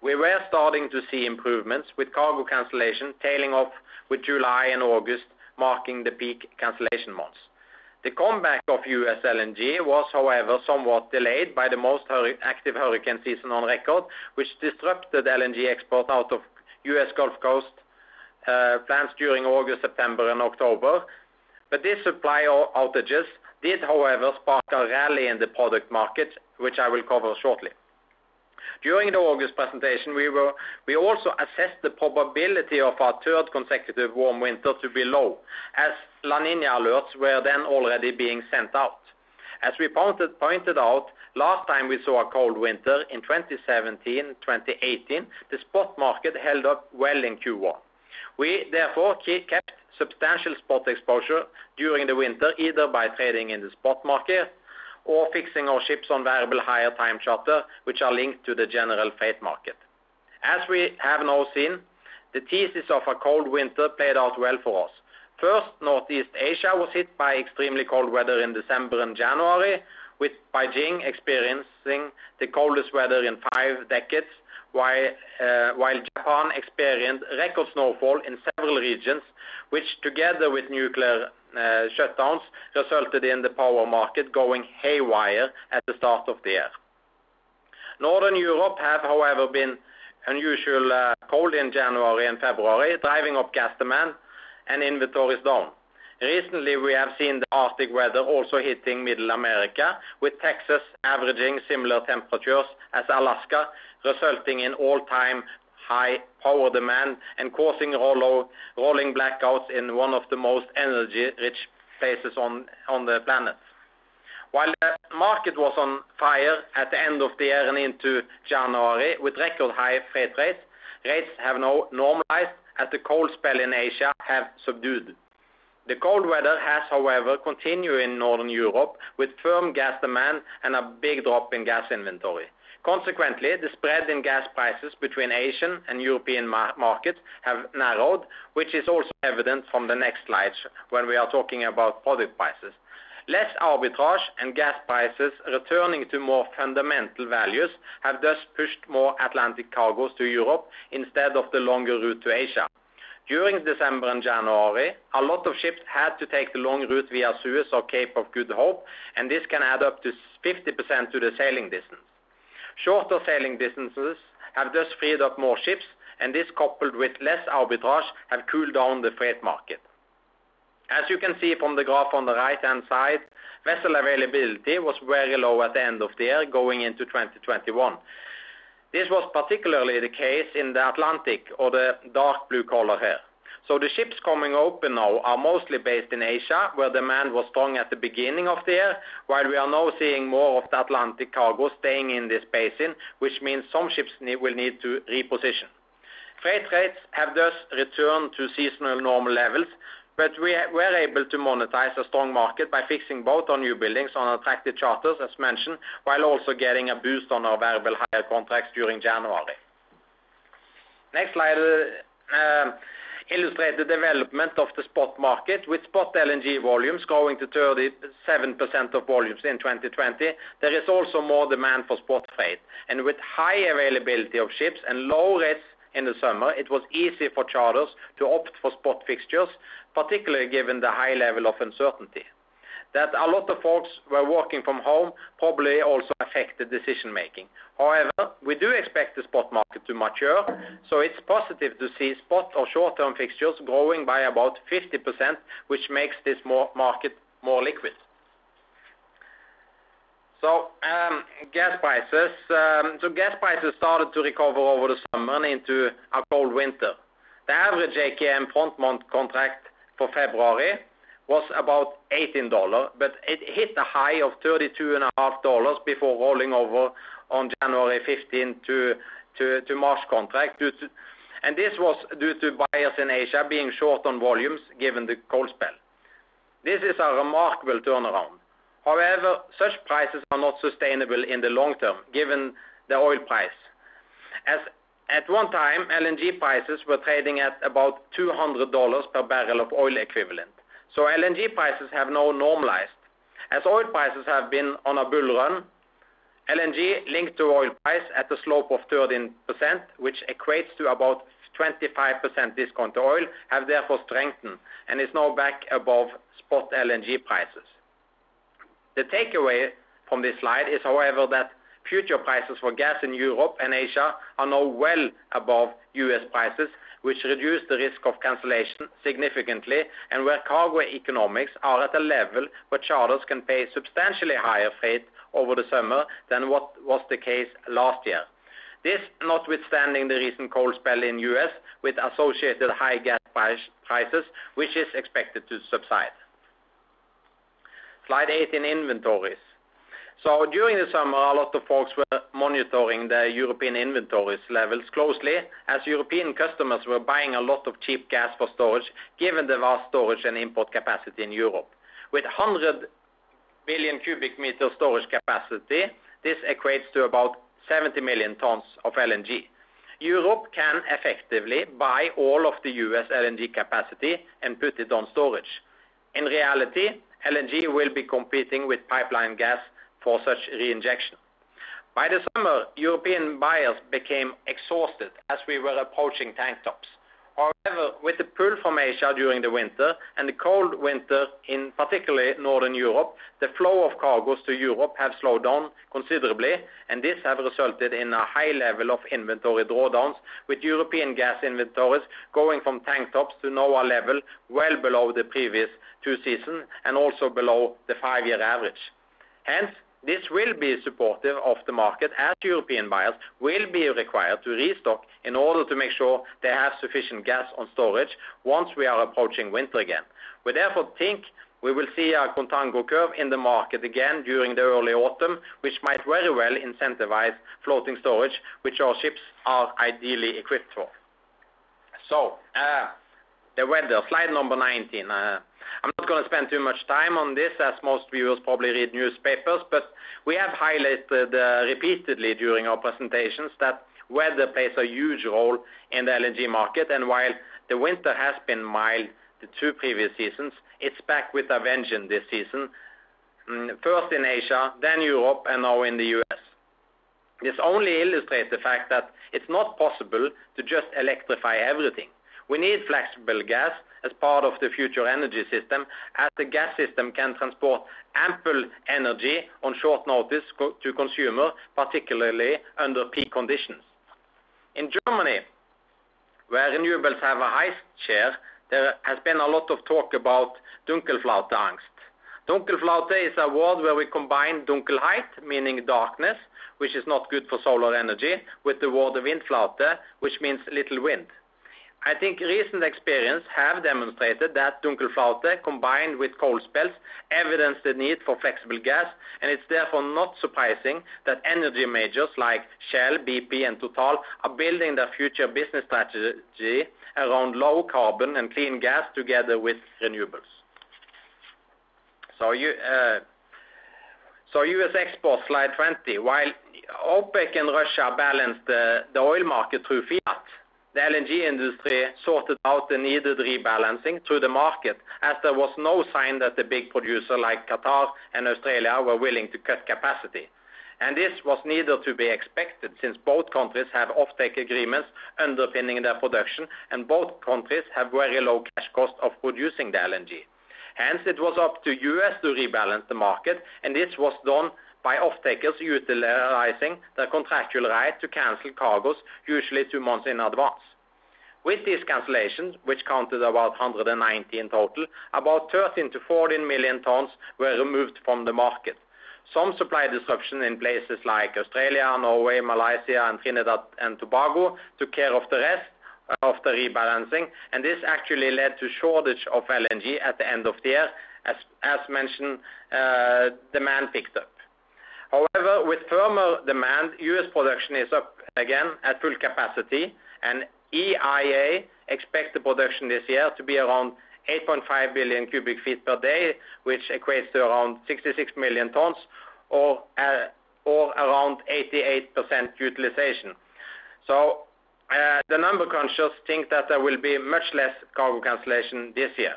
we were starting to see improvements with cargo cancellation tailing off with July and August marking the peak cancellation months. The comeback of U.S. LNG was, however, somewhat delayed by the most active hurricane season on record, which disrupted LNG export out of U.S. Gulf Coast plans during August, September, and October. These supply outages did, however, spark a rally in the product market, which I will cover shortly. During the August presentation, we also assessed the probability of our third consecutive warm winter to be low as La Niña alerts were then already being sent out. As we pointed out, last time we saw a cold winter in 2017/2018, the spot market held up well in Q1. We therefore kept substantial spot exposure during the winter, either by trading in the spot market or fixing our ships on variable higher time charter, which are linked to the general freight market. As we have now seen, the thesis of a cold winter played out well for us. First, Northeast Asia was hit by extremely cold weather in December and January, with Beijing experiencing the coldest weather in five decades, while Japan experienced record snowfall in several regions, which together with nuclear shutdowns, resulted in the power market going haywire at the start of the year. Northern Europe have, however, been unusually cold in January and February, driving up gas demand and inventories down. Recently, we have seen the Arctic weather also hitting Middle America, with Texas averaging similar temperatures as Alaska, resulting in all-time high power demand and causing rolling blackouts in one of the most energy-rich places on the planet. While the market was on fire at the end of the year and into January with record high freight rates have now normalized as the cold spell in Asia have subdued. The cold weather has, however, continued in Northern Europe with firm gas demand and a big drop in gas inventory. Consequently, the spread in gas prices between Asian and European markets have narrowed, which is also evident from the next slides when we are talking about product prices. Less arbitrage and gas prices returning to more fundamental values have thus pushed more Atlantic cargoes to Europe instead of the longer route to Asia. During December and January, a lot of ships had to take the long route via Suez or Cape of Good Hope, and this can add up to 50% to the sailing distance. Shorter sailing distances have thus freed up more ships, and this coupled with less arbitrage, have cooled down the freight market. As you can see from the graph on the right-hand side, vessel availability was very low at the end of the year going into 2021. This was particularly the case in the Atlantic or the dark blue color here. The ships coming open now are mostly based in Asia, where demand was strong at the beginning of the year. While we are now seeing more of the Atlantic cargo staying in this basin, which means some ships will need to reposition. Freight rates have just returned to seasonal normal levels, but we are able to monetize a strong market by fixing both our new buildings on attractive charters, as mentioned, while also getting a boost on our variable hire contracts during January. Next slide illustrates the development of the spot market with spot LNG volumes growing to 37% of volumes in 2020. There is also more demand for spot freight. With high availability of ships and low rates in the summer, it was easy for charters to opt for spot fixtures, particularly given the high level of uncertainty. That a lot of folks were working from home probably also affected decision-making. However, we do expect the spot market to mature, so it's positive to see spot or short-term fixtures growing by about 50%, which makes this market more liquid. Gas prices started to recover over the summer into a cold winter. The average JKM front month contract for February was about $18, but it hit a high of $32.5 before rolling over on January 15th to March contract. This was due to buyers in Asia being short on volumes given the cold spell. This is a remarkable turnaround. However, such prices are not sustainable in the long term, given the oil price. As at one time, LNG prices were trading at about $200 per barrel of oil equivalent. LNG prices have now normalized. As oil prices have been on a bull run, LNG linked to oil price at a slope of 13%, which equates to about 25% discount to oil, have therefore strengthened and is now back above spot LNG prices. The takeaway from this slide is, however, that future prices for gas in Europe and Asia are now well above U.S. prices, which reduce the risk of cancellation significantly, and where cargo economics are at a level where charters can pay substantially higher freight over the summer than what was the case last year. This notwithstanding the recent cold spell in U.S. with associated high gas prices, which is expected to subside. Slide 18, inventories. During the summer, a lot of folks were monitoring the European inventories levels closely as European customers were buying a lot of cheap gas for storage given the vast storage and import capacity in Europe. With 100 billion cubic meter storage capacity, this equates to about 70 million tons of LNG. Europe can effectively buy all of the U.S. LNG capacity and put it on storage. In reality, LNG will be competing with pipeline gas for such re-injection. By the summer, European buyers became exhausted as we were approaching tank tops. However, with the pull from Asia during the winter and the cold winter in particularly Northern Europe, the flow of cargos to Europe have slowed down considerably, and this have resulted in a high level of inventory drawdowns with European gas inventories going from tank tops to now a level well below the previous two seasons and also below the five-year average. Hence, this will be supportive of the market as European buyers will be required to restock in order to make sure they have sufficient gas on storage once we are approaching winter again. We therefore think we will see a contango curve in the market again during the early autumn, which might very well incentivize floating storage, which our ships are ideally equipped for. So, the weather. Slide number 19. I'm not going to spend too much time on this, as most viewers probably read newspapers, but we have highlighted repeatedly during our presentations that weather plays a huge role in the LNG market. While the winter has been mild the two previous seasons, it's back with a vengeance this season, first in Asia, then Europe, and now in the U.S. This only illustrates the fact that it's not possible to just electrify everything. We need flexible gas as part of the future energy system, as the gas system can transport ample energy on short notice to consumers, particularly under peak conditions. In Germany, where renewables have a high share, there has been a lot of talk about Dunkelflaute Angst. Dunkelflaute is a word where we combine Dunkelheit, meaning darkness, which is not good for solar energy, with the word Windflaute, which means little wind. I think recent experience have demonstrated that Dunkelflaute combined with cold spells evidence the need for flexible gas. It's therefore not surprising that energy majors like Shell, BP, and Total are building their future business strategy around low-carbon and clean gas together with renewables. U.S. exports, slide 20. While OPEC and Russia balanced the oil market through fiat, the LNG industry sorted out the needed rebalancing through the market as there was no sign that the big producer like Qatar and Australia were willing to cut capacity. This was neither to be expected, since both countries have offtake agreements underpinning their production. Both countries have very low cash cost of producing the LNG. Hence, it was up to the U.S. to rebalance the market. This was done by offtakers utilizing their contractual right to cancel cargoes, usually two months in advance. With these cancellations, which counted about 119 total, about 13 million tons-14 million tons were removed from the market. Some supply disruption in places like Australia, Norway, Malaysia, and Trinidad and Tobago took care of the rest of the rebalancing. This actually led to shortage of LNG at the end of the year. As mentioned, demand picked up. With firmer demand, U.S. production is up again at full capacity. EIA expect the production this year to be around 8.5 billion cu ft per day, which equates to around 66 million tons or around 88% utilization. The number crunchers think that there will be much less cargo cancellation this year.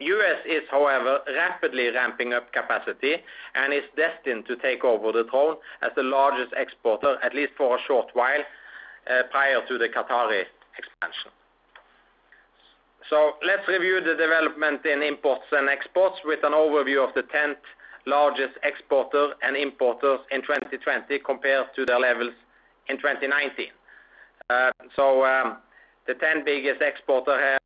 U.S. is, however, rapidly ramping up capacity and is destined to take over the throne as the largest exporter, at least for a short while, prior to the Qatari expansion. Let's review the development in imports and exports with an overview of the 10 largest exporters and importers in 2020 compared to their levels in 2019. The 10 biggest exporters here,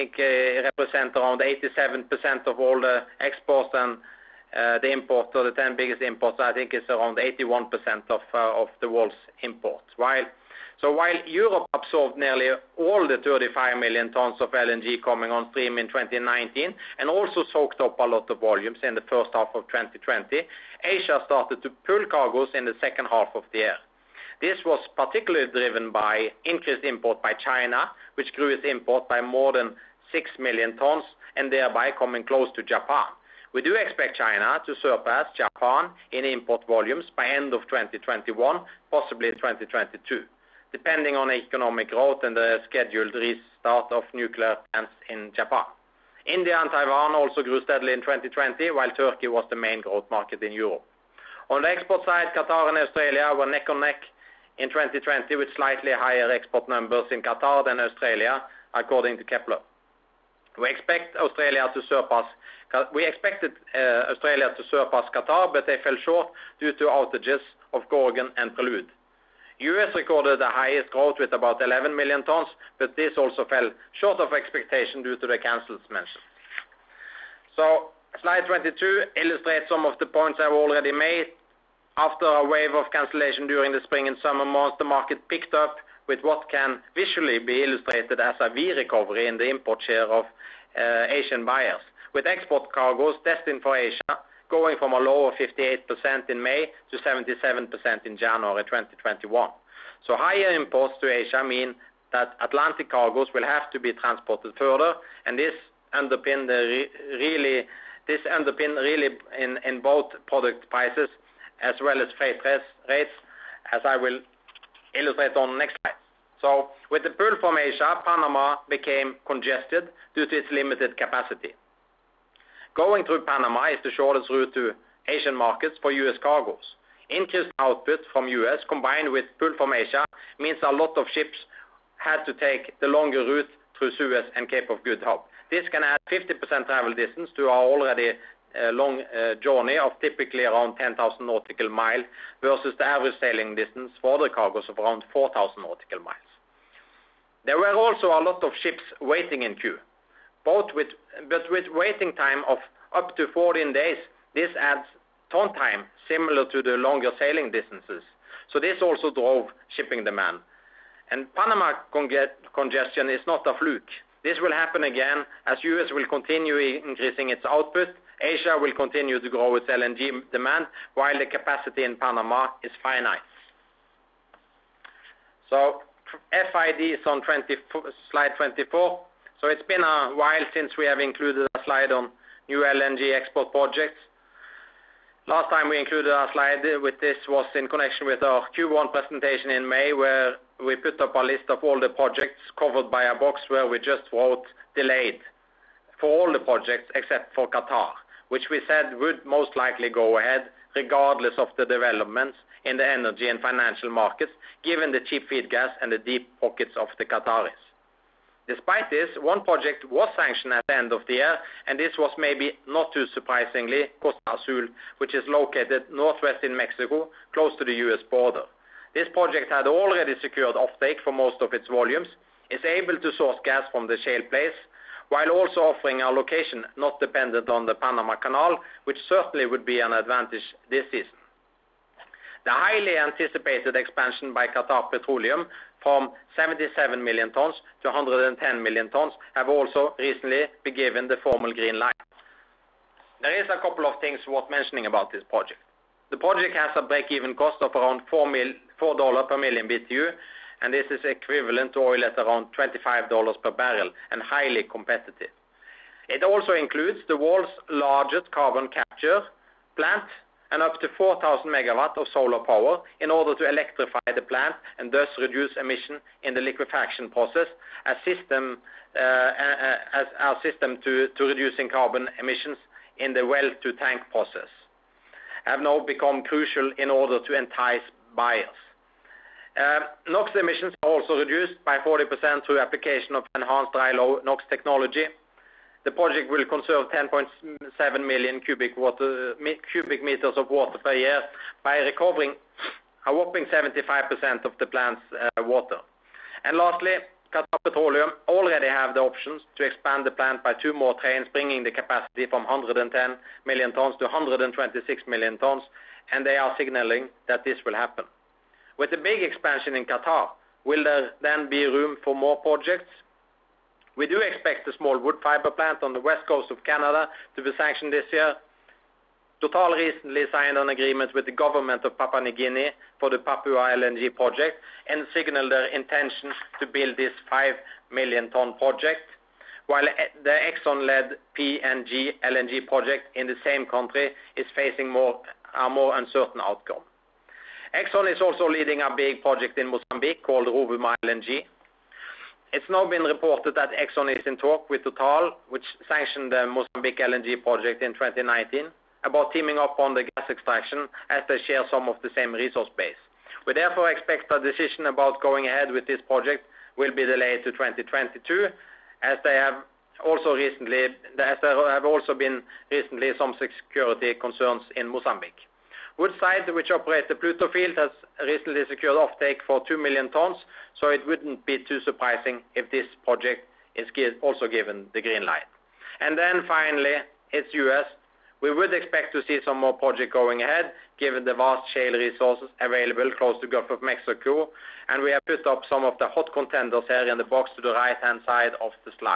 I think represent around 87% of all the exports and the imports. The 10 biggest importers, I think it's around 81% of the world's imports. While Europe absorbed nearly all the 35 million tons of LNG coming on stream in 2019 and also soaked up a lot of volumes in the first half of 2020, Asia started to pull cargoes in the second half of the year. This was particularly driven by increased import by China, which grew its import by more than 6 million tons and thereby coming close to Japan. We do expect China to surpass Japan in import volumes by end of 2021, possibly 2022, depending on economic growth and the scheduled restart of nuclear plants in Japan. India and Taiwan also grew steadily in 2020, while Turkey was the main growth market in Europe. On the export side, Qatar and Australia were neck and neck in 2020 with slightly higher export numbers in Qatar than Australia, according to Kpler. They fell short due to outages of Gorgon and Prelude. The U.S. recorded the highest growth with about 11 million tons, this also fell short of expectation due to the cancels mentioned. Slide 22 illustrates some of the points I already made. After a wave of cancellation during the spring and summer months, the market picked up with what can visually be illustrated as a V recovery in the import share of Asian buyers. With export cargoes destined for Asia, going from a low of 58% in May to 77% in January 2021. Higher imports to Asia mean that Atlantic cargoes will have to be transported further, and this underpinned really in both product prices as well as freight rates, as I will illustrate on the next slide. With the pull from Asia, Panama became congested due to its limited capacity. Going through Panama is the shortest route to Asian markets for U.S. cargoes. Increased output from U.S. combined with pull from Asia means a lot of ships had to take the longer route through Suez and Cape of Good Hope. This can add 50% travel distance to our already long journey of typically around 10,000 nautical miles versus the average sailing distance for the cargoes of around 4,000 nautical miles. There were also a lot of ships waiting in queue. With waiting time of up to 14 days, this adds ton time similar to the longer sailing distances. This also drove shipping demand. Panama congestion is not a fluke. This will happen again as U.S. will continue increasing its output. Asia will continue to grow its LNG demand, while the capacity in Panama is finite. FID is on slide 24. It has been a while since we have included a slide on new LNG export projects. Last time we included a slide with this was in connection with our Q1 presentation in May, where we put up a list of all the projects covered by a box where we just wrote delayed for all the projects except for Qatar, which we said would most likely go ahead regardless of the developments in the energy and financial markets, given the cheap feed gas and the deep pockets of the Qataris. Despite this, one project was sanctioned at the end of the year. This was maybe not too surprisingly, Costa Azul, which is located northwest in Mexico, close to the U.S. border. This project had already secured offtake for most of its volumes, is able to source gas from the shale plays, while also offering a location not dependent on the Panama Canal, which certainly would be an advantage this season. The highly anticipated expansion by Qatar Petroleum from 77 million tons to 110 million tons has also recently been given the formal green light. There are a couple of things worth mentioning about this project. The project has a break-even cost of around $4 per million BTU, and this is equivalent to oil at around $25 per barrel and highly competitive. It also includes the world's largest carbon capture plant and up to 4,000 MW of solar power in order to electrify the plant and thus reduce emission in the liquefaction process. As our system to reducing carbon emissions in the well-to-tank process has now become crucial in order to entice buyers. NOx emissions are also reduced by 40% through application of enhanced high-low NOx technology. The project will conserve 10.7 million cubic meters of water per year by recovering a whopping 75% of the plant's water. Lastly, Qatar Petroleum already have the options to expand the plant by two more trains, bringing the capacity from 110 million tons to 126 million tons. They are signaling that this will happen. With the big expansion in Qatar, will there then be room for more projects? We do expect the small Woodfibre LNG plant on the west coast of Canada to be sanctioned this year. Total recently signed an agreement with the government of Papua New Guinea for the Papua LNG project and signaled their intention to build this five-million-ton project, while the Exxon-led PNG LNG project in the same country is facing a more uncertain outcome. Exxon is also leading a big project in Mozambique called Rovuma LNG. It's now been reported that ExxonMobil is in talk with Total, which sanctioned the Mozambique LNG project in 2019, about teaming up on the gas extraction as they share some of the same resource base. We therefore expect a decision about going ahead with this project will be delayed to 2022, as there have also been recently some security concerns in Mozambique. Woodside, which operates the Pluto field, has recently secured offtake for 2 million tons, so it wouldn't be too surprising if this project is also given the green light. Finally, it's U.S. We would expect to see some more project going ahead given the vast shale resources available close to Gulf of Mexico, and we have put up some of the hot contenders there in the box to the right-hand side of the slide.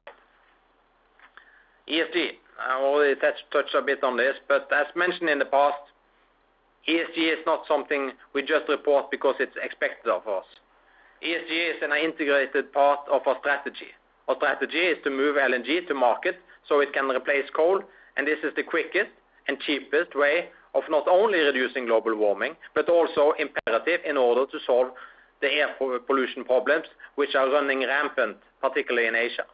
ESG. I already touched a bit on this. As mentioned in the past, ESG is not something we just report because it's expected of us. ESG is an integrated part of our strategy. Our strategy is to move LNG to market so it can replace coal, and this is the quickest and cheapest way of not only reducing global warming, but also imperative in order to solve the air pollution problems which are running rampant, particularly in Asia.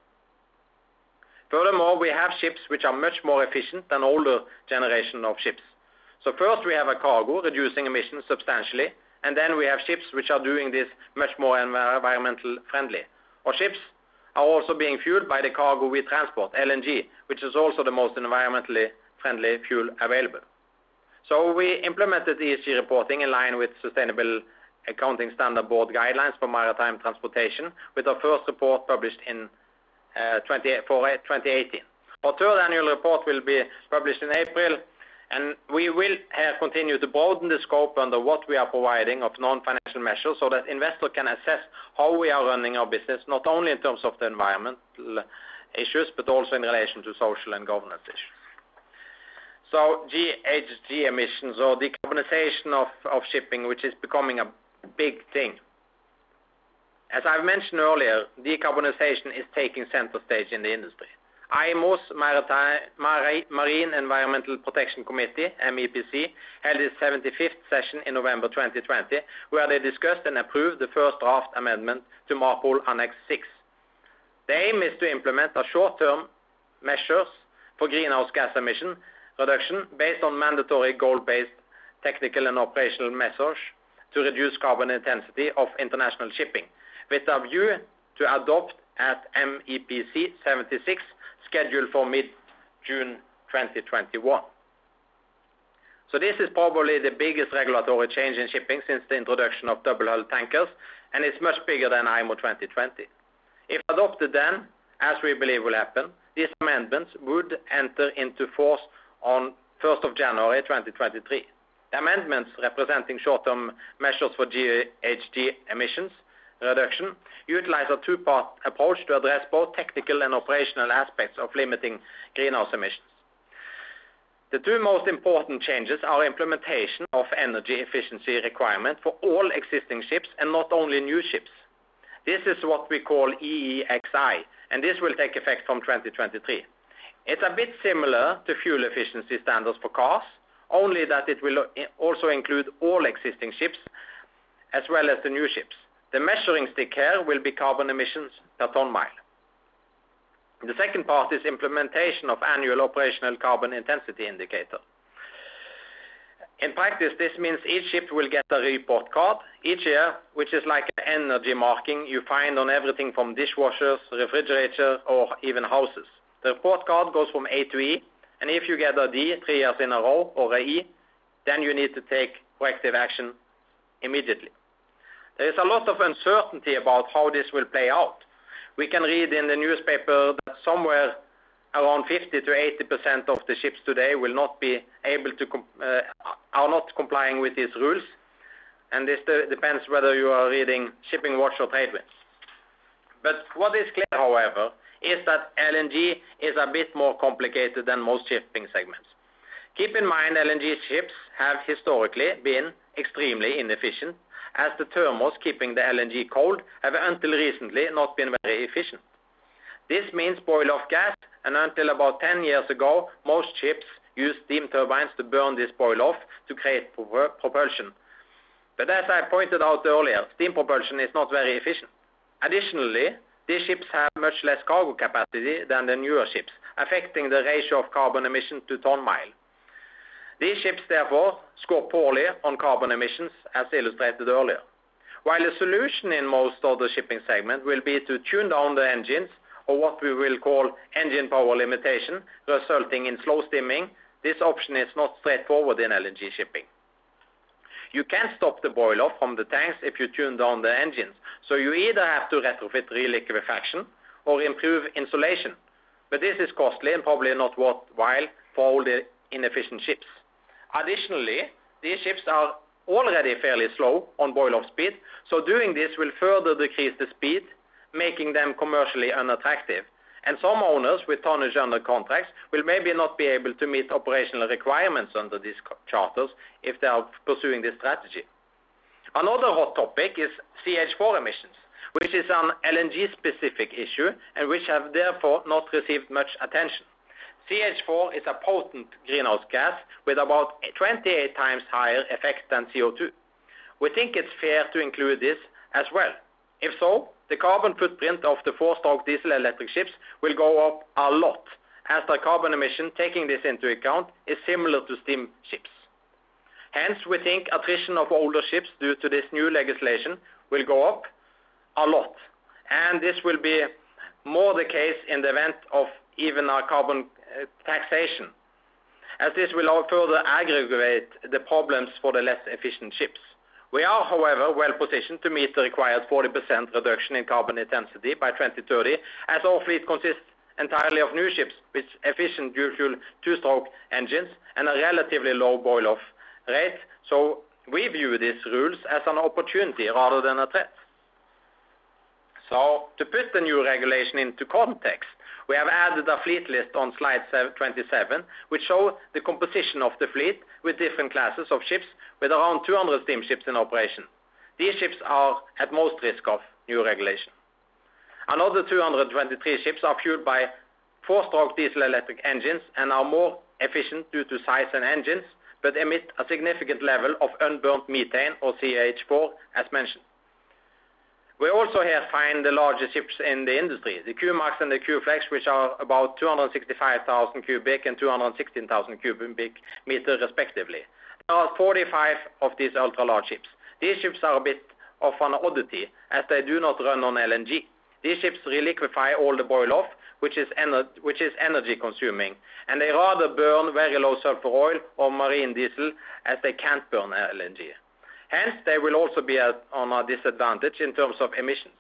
Furthermore, we have ships which are much more efficient than older generation of ships. First we have a cargo reducing emissions substantially, and then we have ships which are doing this much more environmentally friendly. Our ships are also being fueled by the cargo we transport, LNG, which is also the most environmentally friendly fuel available. We implemented ESG reporting in line with Sustainability Accounting Standards Board guidelines for maritime transportation with our first report published for 2018. Our third annual report will be published in April. We will continue to broaden the scope under what we are providing of non-financial measures so that investors can assess how we are running our business, not only in terms of the environmental issues, but also in relation to social and governance issues. GHG emissions or decarbonization of shipping, which is becoming a big thing. As I mentioned earlier, decarbonization is taking center stage in the industry. IMO's Marine Environmental Protection Committee, MEPC, held its 75th session in November 2020, where they discussed and approved the first draft amendment to MARPOL Annex VI. The aim is to implement a short-term measures for greenhouse gas emission reduction based on mandatory goal-based technical and operational measures to reduce carbon intensity of international shipping with a view to adopt at MEPC 76 scheduled for mid-June 2021. This is probably the biggest regulatory change in shipping since the introduction of double hull tankers, and it's much bigger than IMO 2020. If adopted then, as we believe will happen, these amendments would enter into force on 1st of January 2023. The amendments representing short-term measures for GHG emissions reduction utilize a two-part approach to address both technical and operational aspects of limiting greenhouse emissions. The two most important changes are implementation of energy efficiency requirements for all existing ships and not only new ships. This is what we call EEXI, and this will take effect from 2023. It's a bit similar to fuel efficiency standards for cars, only that it will also include all existing ships as well as the new ships. The measuring stick here will be carbon emissions per ton mile. The second part is implementation of annual operational carbon intensity indicator. In practice, this means each ship will get a report card each year, which is like an energy marking you find on everything from dishwashers, refrigerators, or even houses. The report card goes from A to E. If you get a D three years in a row or an E, then you need to take corrective action immediately. There is a lot of uncertainty about how this will play out. We can read in the newspaper that somewhere around 50%-80% of the ships today are not complying with these rules. This depends whether you are reading ShippingWatch or TradeWinds. What is clear, however, is that LNG is a bit more complicated than most shipping segments. Keep in mind, LNG ships have historically been extremely inefficient as the thermos keeping the LNG cold have, until recently, not been very efficient. This means boil-off gas. Until about 10 years ago, most ships used steam turbines to burn this boil-off to create propulsion. As I pointed out earlier, steam propulsion is not very efficient. Additionally, these ships have much less cargo capacity than the newer ships, affecting the ratio of carbon emissions to ton-mile. These ships therefore score poorly on carbon emissions, as illustrated earlier. While the solution in most of the shipping segment will be to tune down the engines or what we will call engine power limitation, resulting in slow steaming, this option is not straightforward in LNG shipping. You can stop the boil off from the tanks if you tune down the engines. You either have to retrofit reliquefaction or improve insulation. This is costly and probably not worthwhile for all the inefficient ships. Additionally, these ships are already fairly slow on boil-off speed. Doing this will further decrease the speed, making them commercially unattractive. Some owners with tonnage under contracts will maybe not be able to meet operational requirements under these charters if they are pursuing this strategy. Another hot topic is CH₄ emissions, which is an LNG specific issue and which have therefore not received much attention. CH₄ is a potent greenhouse gas with about 28 times higher effect than CO₂. We think it's fair to include this as well. If so, the carbon footprint of the four-stroke diesel electric ships will go up a lot as the carbon emission, taking this into account, is similar to steam ships. Hence, we think attrition of older ships due to this new legislation will go up a lot, and this will be more the case in the event of even a carbon taxation, as this will further aggravate the problems for the less efficient ships. We are, however, well-positioned to meet the required 40% reduction in carbon intensity by 2030, as our fleet consists entirely of new ships with efficient dual fuel two-stroke engines and a relatively low boil-off rate. We view these rules as an opportunity rather than a threat. To put the new regulation into context, we have added a fleet list on slide 27, which show the composition of the fleet with different classes of ships with around 200 steam ships in operation. These ships are at most risk of new regulation. Another 223 ships are fueled by four-stroke diesel electric engines and are more efficient due to size and engines, but emit a significant level of unburnt methane or CH₄, as mentioned. We also here find the largest ships in the industry, the Q-Max and the Q-Flex, which are about 265,000 cubic and 216,000 cubic meter respectively. There are 45 of these ultra large ships. These ships are a bit of an oddity, as they do not run on LNG. These ships reliquefy all the boil off, which is energy consuming, and they rather burn very low sulfur oil or marine diesel as they can't burn LNG. They will also be at a disadvantage in terms of emissions.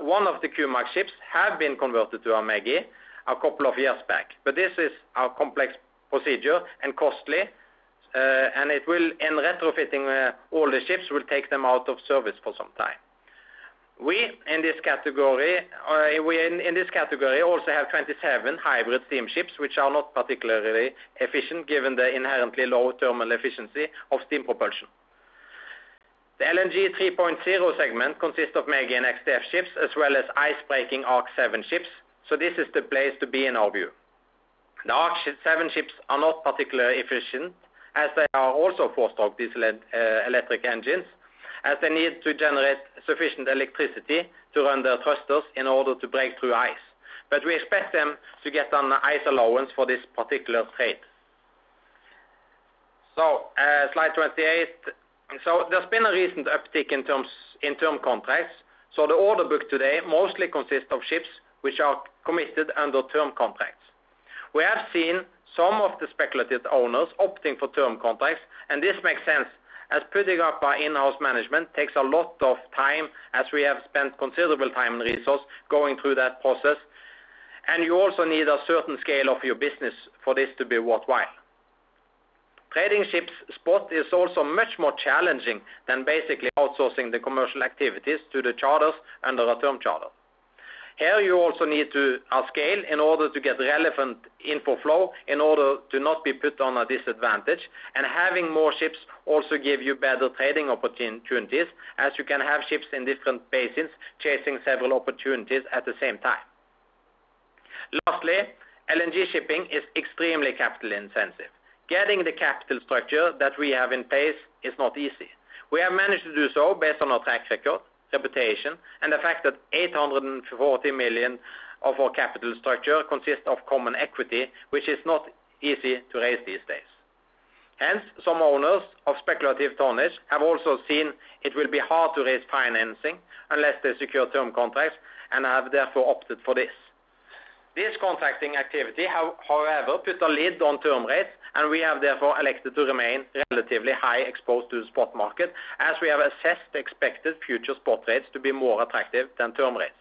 One of the Q-Max ships have been converted to a MEGI a couple of years back, but this is a complex procedure and costly, and it will, in retrofitting all the ships, take them out of service for some time. We, in this category, also have 27 hybrid steam ships which are not particularly efficient given the inherently low thermal efficiency of steam propulsion. The LNG 3.0 segment consists of MEGI and XDF ships as well as ice-breaking ARC 7 ships. This is the place to be in our view. The ARC 7 ships are not particularly efficient, as they are also four-stroke diesel-electric engines, as they need to generate sufficient electricity to run their thrusters in order to break through ice. We expect them to get an ice allowance for this particular trade. Slide 28. There's been a recent uptick in term contracts. The order book today mostly consists of ships which are committed under term contracts. We have seen some of the speculative owners opting for term contracts, and this makes sense, as putting up our in-house management takes a lot of time as we have spent considerable time and resource going through that process, and you also need a certain scale of your business for this to be worthwhile. Trading ships spot is also much more challenging than basically outsourcing the commercial activities to the charters under a term charter. Here you also need a scale in order to get relevant info flow in order to not be put on a disadvantage, and having more ships also give you better trading opportunities as you can have ships in different basins chasing several opportunities at the same time. Lastly, LNG shipping is extremely capital intensive. Getting the capital structure that we have in place is not easy. We have managed to do so based on our track record, reputation, and the fact that $840 million of our capital structure consists of common equity, which is not easy to raise these days. Some owners of speculative tonnage have also seen it will be hard to raise financing unless they secure term contracts and have therefore opted for this. This contracting activity, however, put a lid on term rates, and we have therefore elected to remain relatively high exposed to the spot market as we have assessed the expected future spot rates to be more attractive than term rates.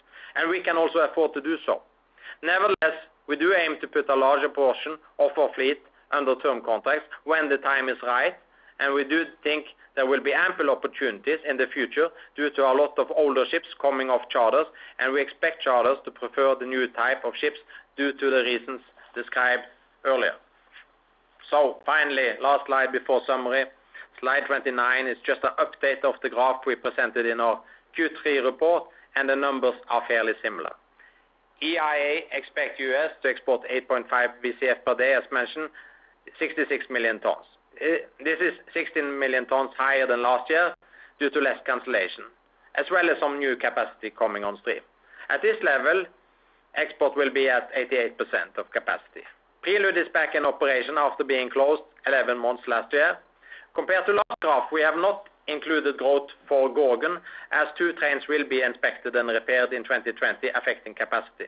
We can also afford to do so. Nevertheless, we do aim to put a larger portion of our fleet under term contracts when the time is right, and we do think there will be ample opportunities in the future due to a lot of older ships coming off charters, and we expect charters to prefer the new type of ships due to the reasons described earlier. Finally, last slide before summary. Slide 29 is just an update of the graph we presented in our Q3 report, and the numbers are fairly similar. EIA expect U.S. to export 8.5 BCF per day, as mentioned, 66 million tons. This is 16 million tons higher than last year due to less cancellation, as well as some new capacity coming on stream. At this level, export will be at 88% of capacity. Prelude is back in operation after being closed 11 months last year. Compared to last graph, we have not included growth for Gorgon, as two trains will be inspected and repaired in 2020, affecting capacity.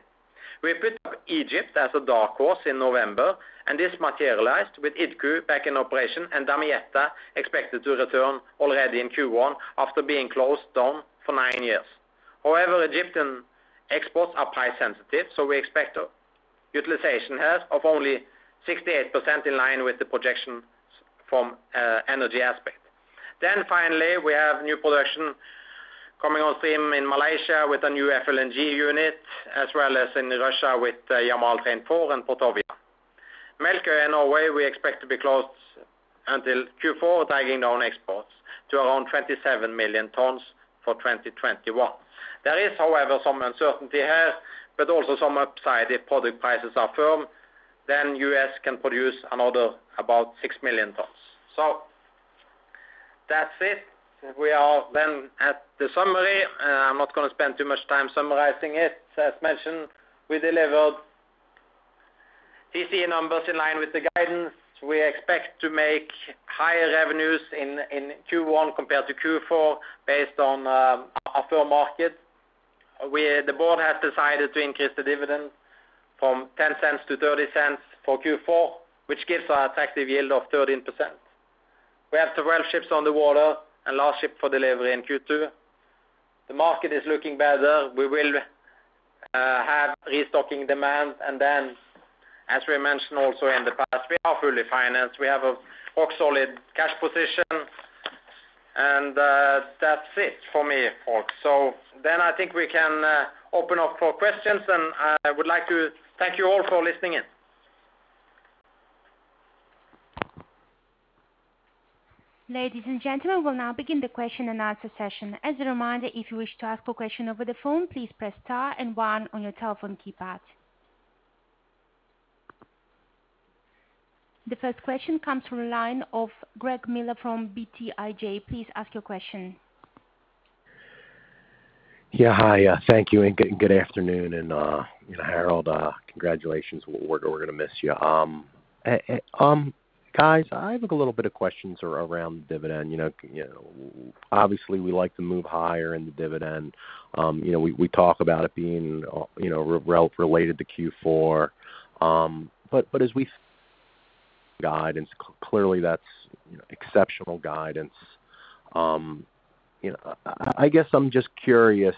We picked up Egypt as a dark horse in November, this materialized with Idku back in operation and Damietta expected to return already in Q1 after being closed down for nine years. Egyptian exports are price sensitive, so we expect utilization here of only 68%, in line with the projections from an Energy Aspects. Finally, we have new production coming on stream in Malaysia with a new FLNG unit, as well as in Russia with Yamal Train 4 and Portovaya. Melkøya, Norway, we expect to be closed until Q4, dragging down exports to around 27 million tons for 2021. There is, however, some uncertainty here, but also some upside. If product prices are firm, then U.S. can produce another about six million tons. That's it. We are at the summary. I'm not going to spend too much time summarizing it. As mentioned, we delivered TCE numbers in line with the guidance. We expect to make higher revenues in Q1 compared to Q4 based on a firm market, where the board has decided to increase the dividend from $0.10 to $0.30 for Q4, which gives an attractive yield of 13%. We have several ships on the water and last ship for delivery in Q2. The market is looking better. We will have restocking demand. As we mentioned also in the past, we are fully financed. We have a rock-solid cash position. That's it for me, folks. I think we can open up for questions, and I would like to thank you all for listening in. Ladies and gentlemen, we'll now begin the Q&A session. As a reminder, if you wish to ask a question over the phone, please press star and one on your telephone keypad. The first question comes from the line of Greg Lewis from BTIG. Please ask your question. Yeah. Hi. Thank you, and good afternoon. Harald, congratulations. We're going to miss you. Guys, I have a little bit of questions around dividend. Obviously, we like to move higher in the dividend. We talk about it being related to Q4. As we guidance, clearly that's exceptional guidance. I guess I'm just curious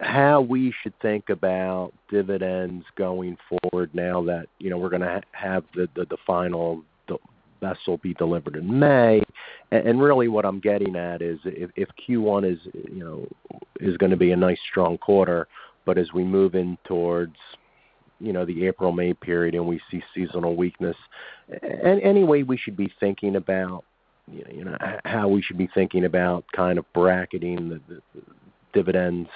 how we should think about dividends going forward now that we're going to have the final vessel be delivered in May. Really what I'm getting at is if Q1 is going to be a nice strong quarter, but as we move in towards the April-May period and we see seasonal weakness, any way we should be thinking about how we should be thinking about bracketing the dividends,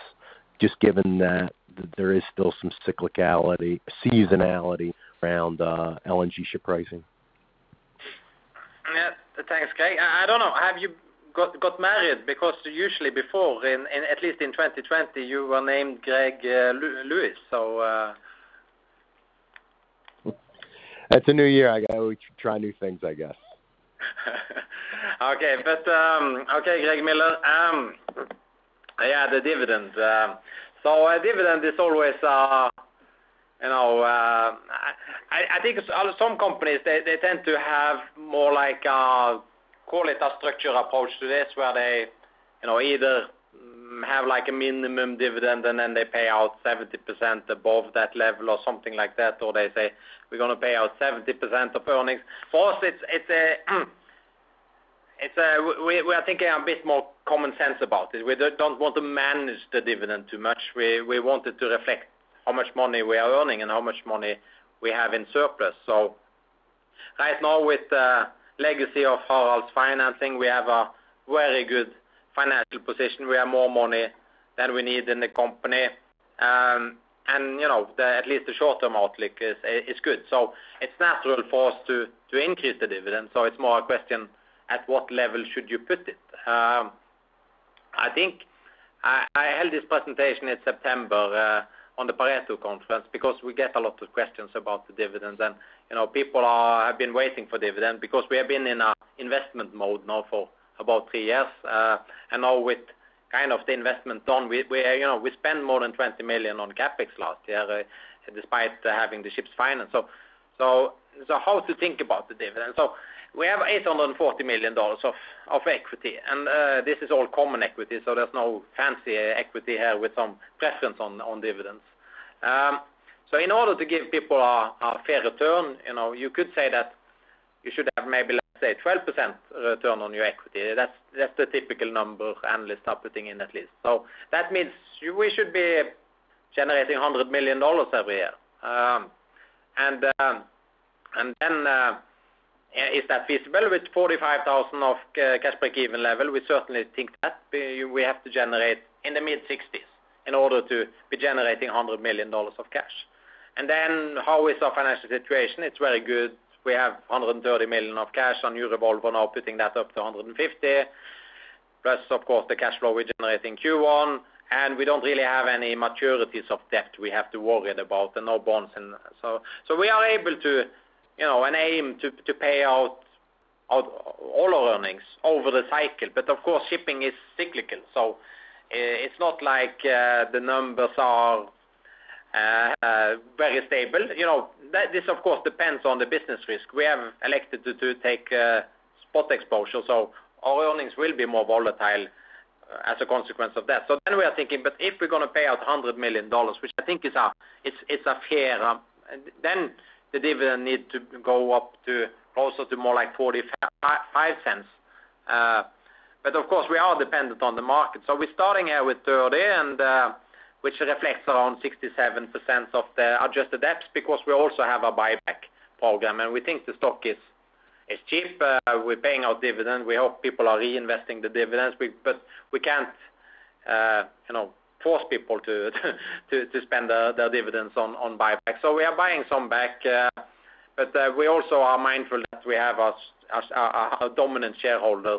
just given that there is still some cyclicality, seasonality around LNG ship pricing? Yeah. Thanks, Greg. I don't know. Have you got married? Usually before, at least in 2020, you were named Greg Lewis. It's a new year. I try new things, I guess. Okay. Okay, Greg Miller. Yeah, the dividend. A dividend is always I think some companies, they tend to have more like a, call it a structured approach to this, where they either have a minimum dividend and then they pay out 70% above that level or something like that, or they say, we're going to pay out 70% of earnings. For us, we are thinking a bit more common sense about it. We don't want to manage the dividend too much. We want it to reflect how much money we are earning and how much money we have in surplus. Right now, with the legacy of Harald's financing, we have a very good financial position. We have more money than we need in the company. At least the short-term outlook is good. It's natural for us to increase the dividend. It's more a question at what level should you put it? I held this presentation in September on the Pareto conference because we get a lot of questions about the dividends, and people have been waiting for dividend because we have been in investment mode now for about three years. Now with the investment done, we spend more than $20 million on CapEx last year, despite having the ships financed. How to think about the dividend? We have $840 million of equity, and this is all common equity, so there's no fancy equity here with some preference on dividends. In order to give people a fair return, you could say that you should have maybe, let's say, 12% return on your equity. That's the typical number analysts are putting in, at least. That means we should be generating $100 million every year. Is that feasible with $45,000 of cash break-even level? We certainly think that we have to generate in the mid-60s in order to be generating $100 million of cash. How is our financial situation? It's very good. We have $130 million of cash on new revolver, now putting that up to $150. Plus, of course, the cash flow we generate in Q1, and we don't really have any maturities of debt we have to worry about and no bonds. We are able to, and aim to pay out all our earnings over the cycle. Of course, shipping is cyclical, so it's not like the numbers are very stable. This, of course, depends on the business risk. We have elected to take spot exposure, so our earnings will be more volatile as a consequence of that. We are thinking, if we are going to pay out $100 million, which I think is fair, then the dividend need to go up to closer to more like $0.45. Of course, we are dependent on the market. We are starting here with $0.30, which reflects around 67% of the adjusted EPS because we also have a buyback program, and we think the stock is cheap. We are paying our dividend. We hope people are reinvesting the dividends. We cannot force people to spend their dividends on buyback. We are buying some back, but we also are mindful that we have a dominant shareholder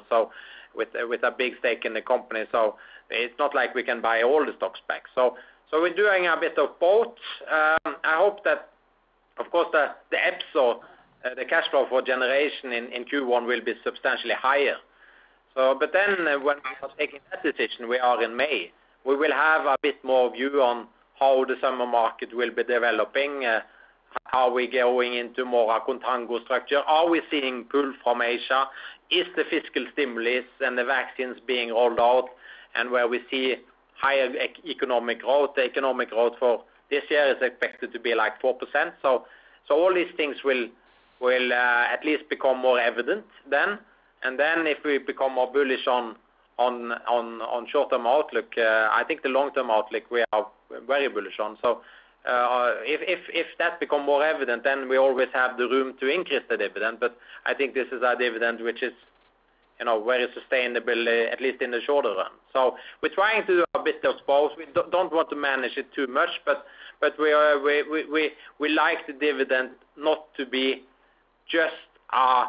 with a big stake in the company. It is not like we can buy all the stocks back. We are doing a bit of both. I hope that, of course, the EPS or the cash flow for generation in Q1 will be substantially higher. When we are taking that decision, we are in May, we will have a bit more view on how the summer market will be developing. Are we going into more a contango structure? Are we seeing pull from Asia? Is the fiscal stimulus and the vaccines being rolled out? Where we see higher economic growth, the economic growth for this year is expected to be like 4%. All these things will at least become more evident then. If we become more bullish on short-term outlook, I think the long-term outlook we are very bullish on. If that become more evident, then we always have the room to increase the dividend. I think this is our dividend which is very sustainable, at least in the shorter run. We're trying to do a bit of both. We don't want to manage it too much, but we like the dividend not to be just a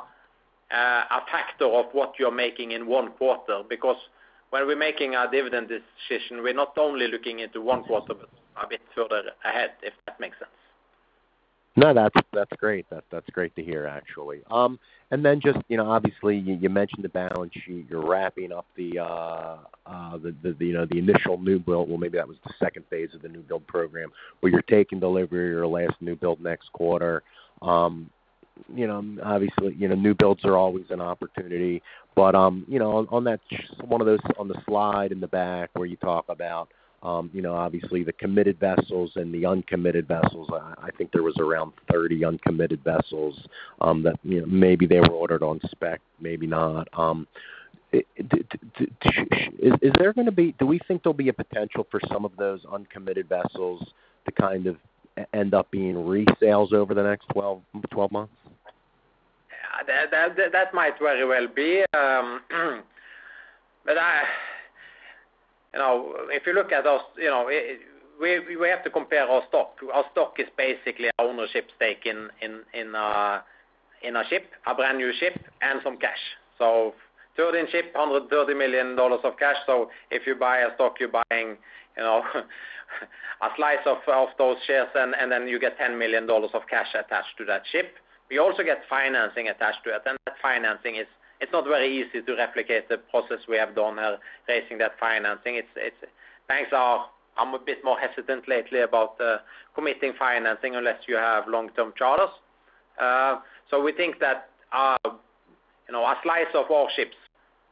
factor of what you're making in one quarter, because when we're making our dividend decision, we're not only looking into one quarter but a bit further ahead, if that makes sense. No, that's great. That's great to hear, actually. Just obviously, you mentioned the balance sheet. You're wrapping up the initial new build. Well, maybe that was the phase II of the new build program where you're taking delivery of your last new build next quarter. Obviously, new builds are always an opportunity, on the slide in the back where you talk about obviously the committed vessels and the uncommitted vessels, I think there was around 30 uncommitted vessels that maybe they were ordered on spec, maybe not. Do we think there'll be a potential for some of those uncommitted vessels to end up being resales over the next 12 months? That might very well be. If you look at us, we have to compare our stock. Our stock is basically ownership stake in a ship, a brand-new ship, and some cash. $30 million in ship, $130 million of cash. If you buy our stock, you're buying a slice of those shares, and then you get $10 million of cash attached to that ship. We also get financing attached to it, and that financing, it's not very easy to replicate the process we have done raising that financing. Banks are a bit more hesitant lately about committing financing unless you have long-term charters. We think that our slice of our ships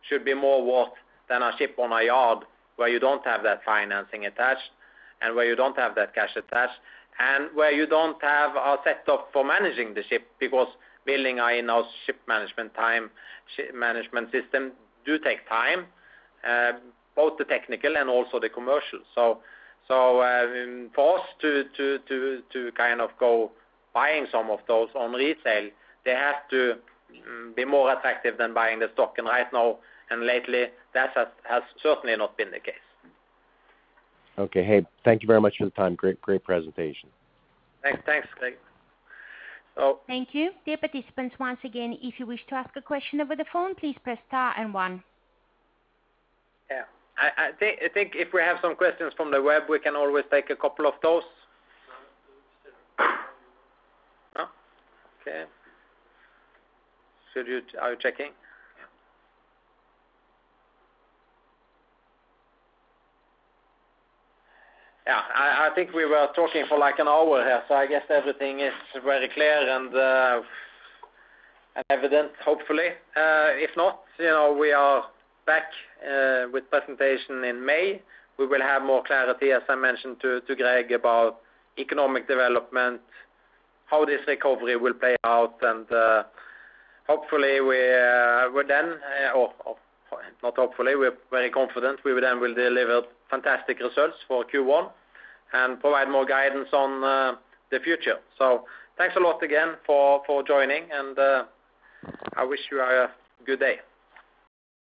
should be more worth than a ship on a yard where you don't have that financing attached and where you don't have that cash attached, and where you don't have a setup for managing the ship, because building in our ship management system does take time, both the technical and also the commercial. For us to go buying some of those on resale, they have to be more attractive than buying the stock. Right now, and lately, that has certainly not been the case. Okay. Hey, thank you very much for the time. Great presentation. Thanks, Greg. Thank you. Dear participants, once again, if you wish to ask a question over the phone, please press star and one. Yeah. I think if we have some questions from the web, we can always take a couple of those. Oh, okay. Are you checking? Yeah, I think we were talking for an hour here. I guess everything is very clear and evident, hopefully. If not, we are back with presentation in May. We will have more clarity, as I mentioned to Greg, about economic development, how this recovery will play out, and not hopefully, we're very confident we then will deliver fantastic results for Q1 and provide more guidance on the future. Thanks a lot again for joining, and I wish you a good day.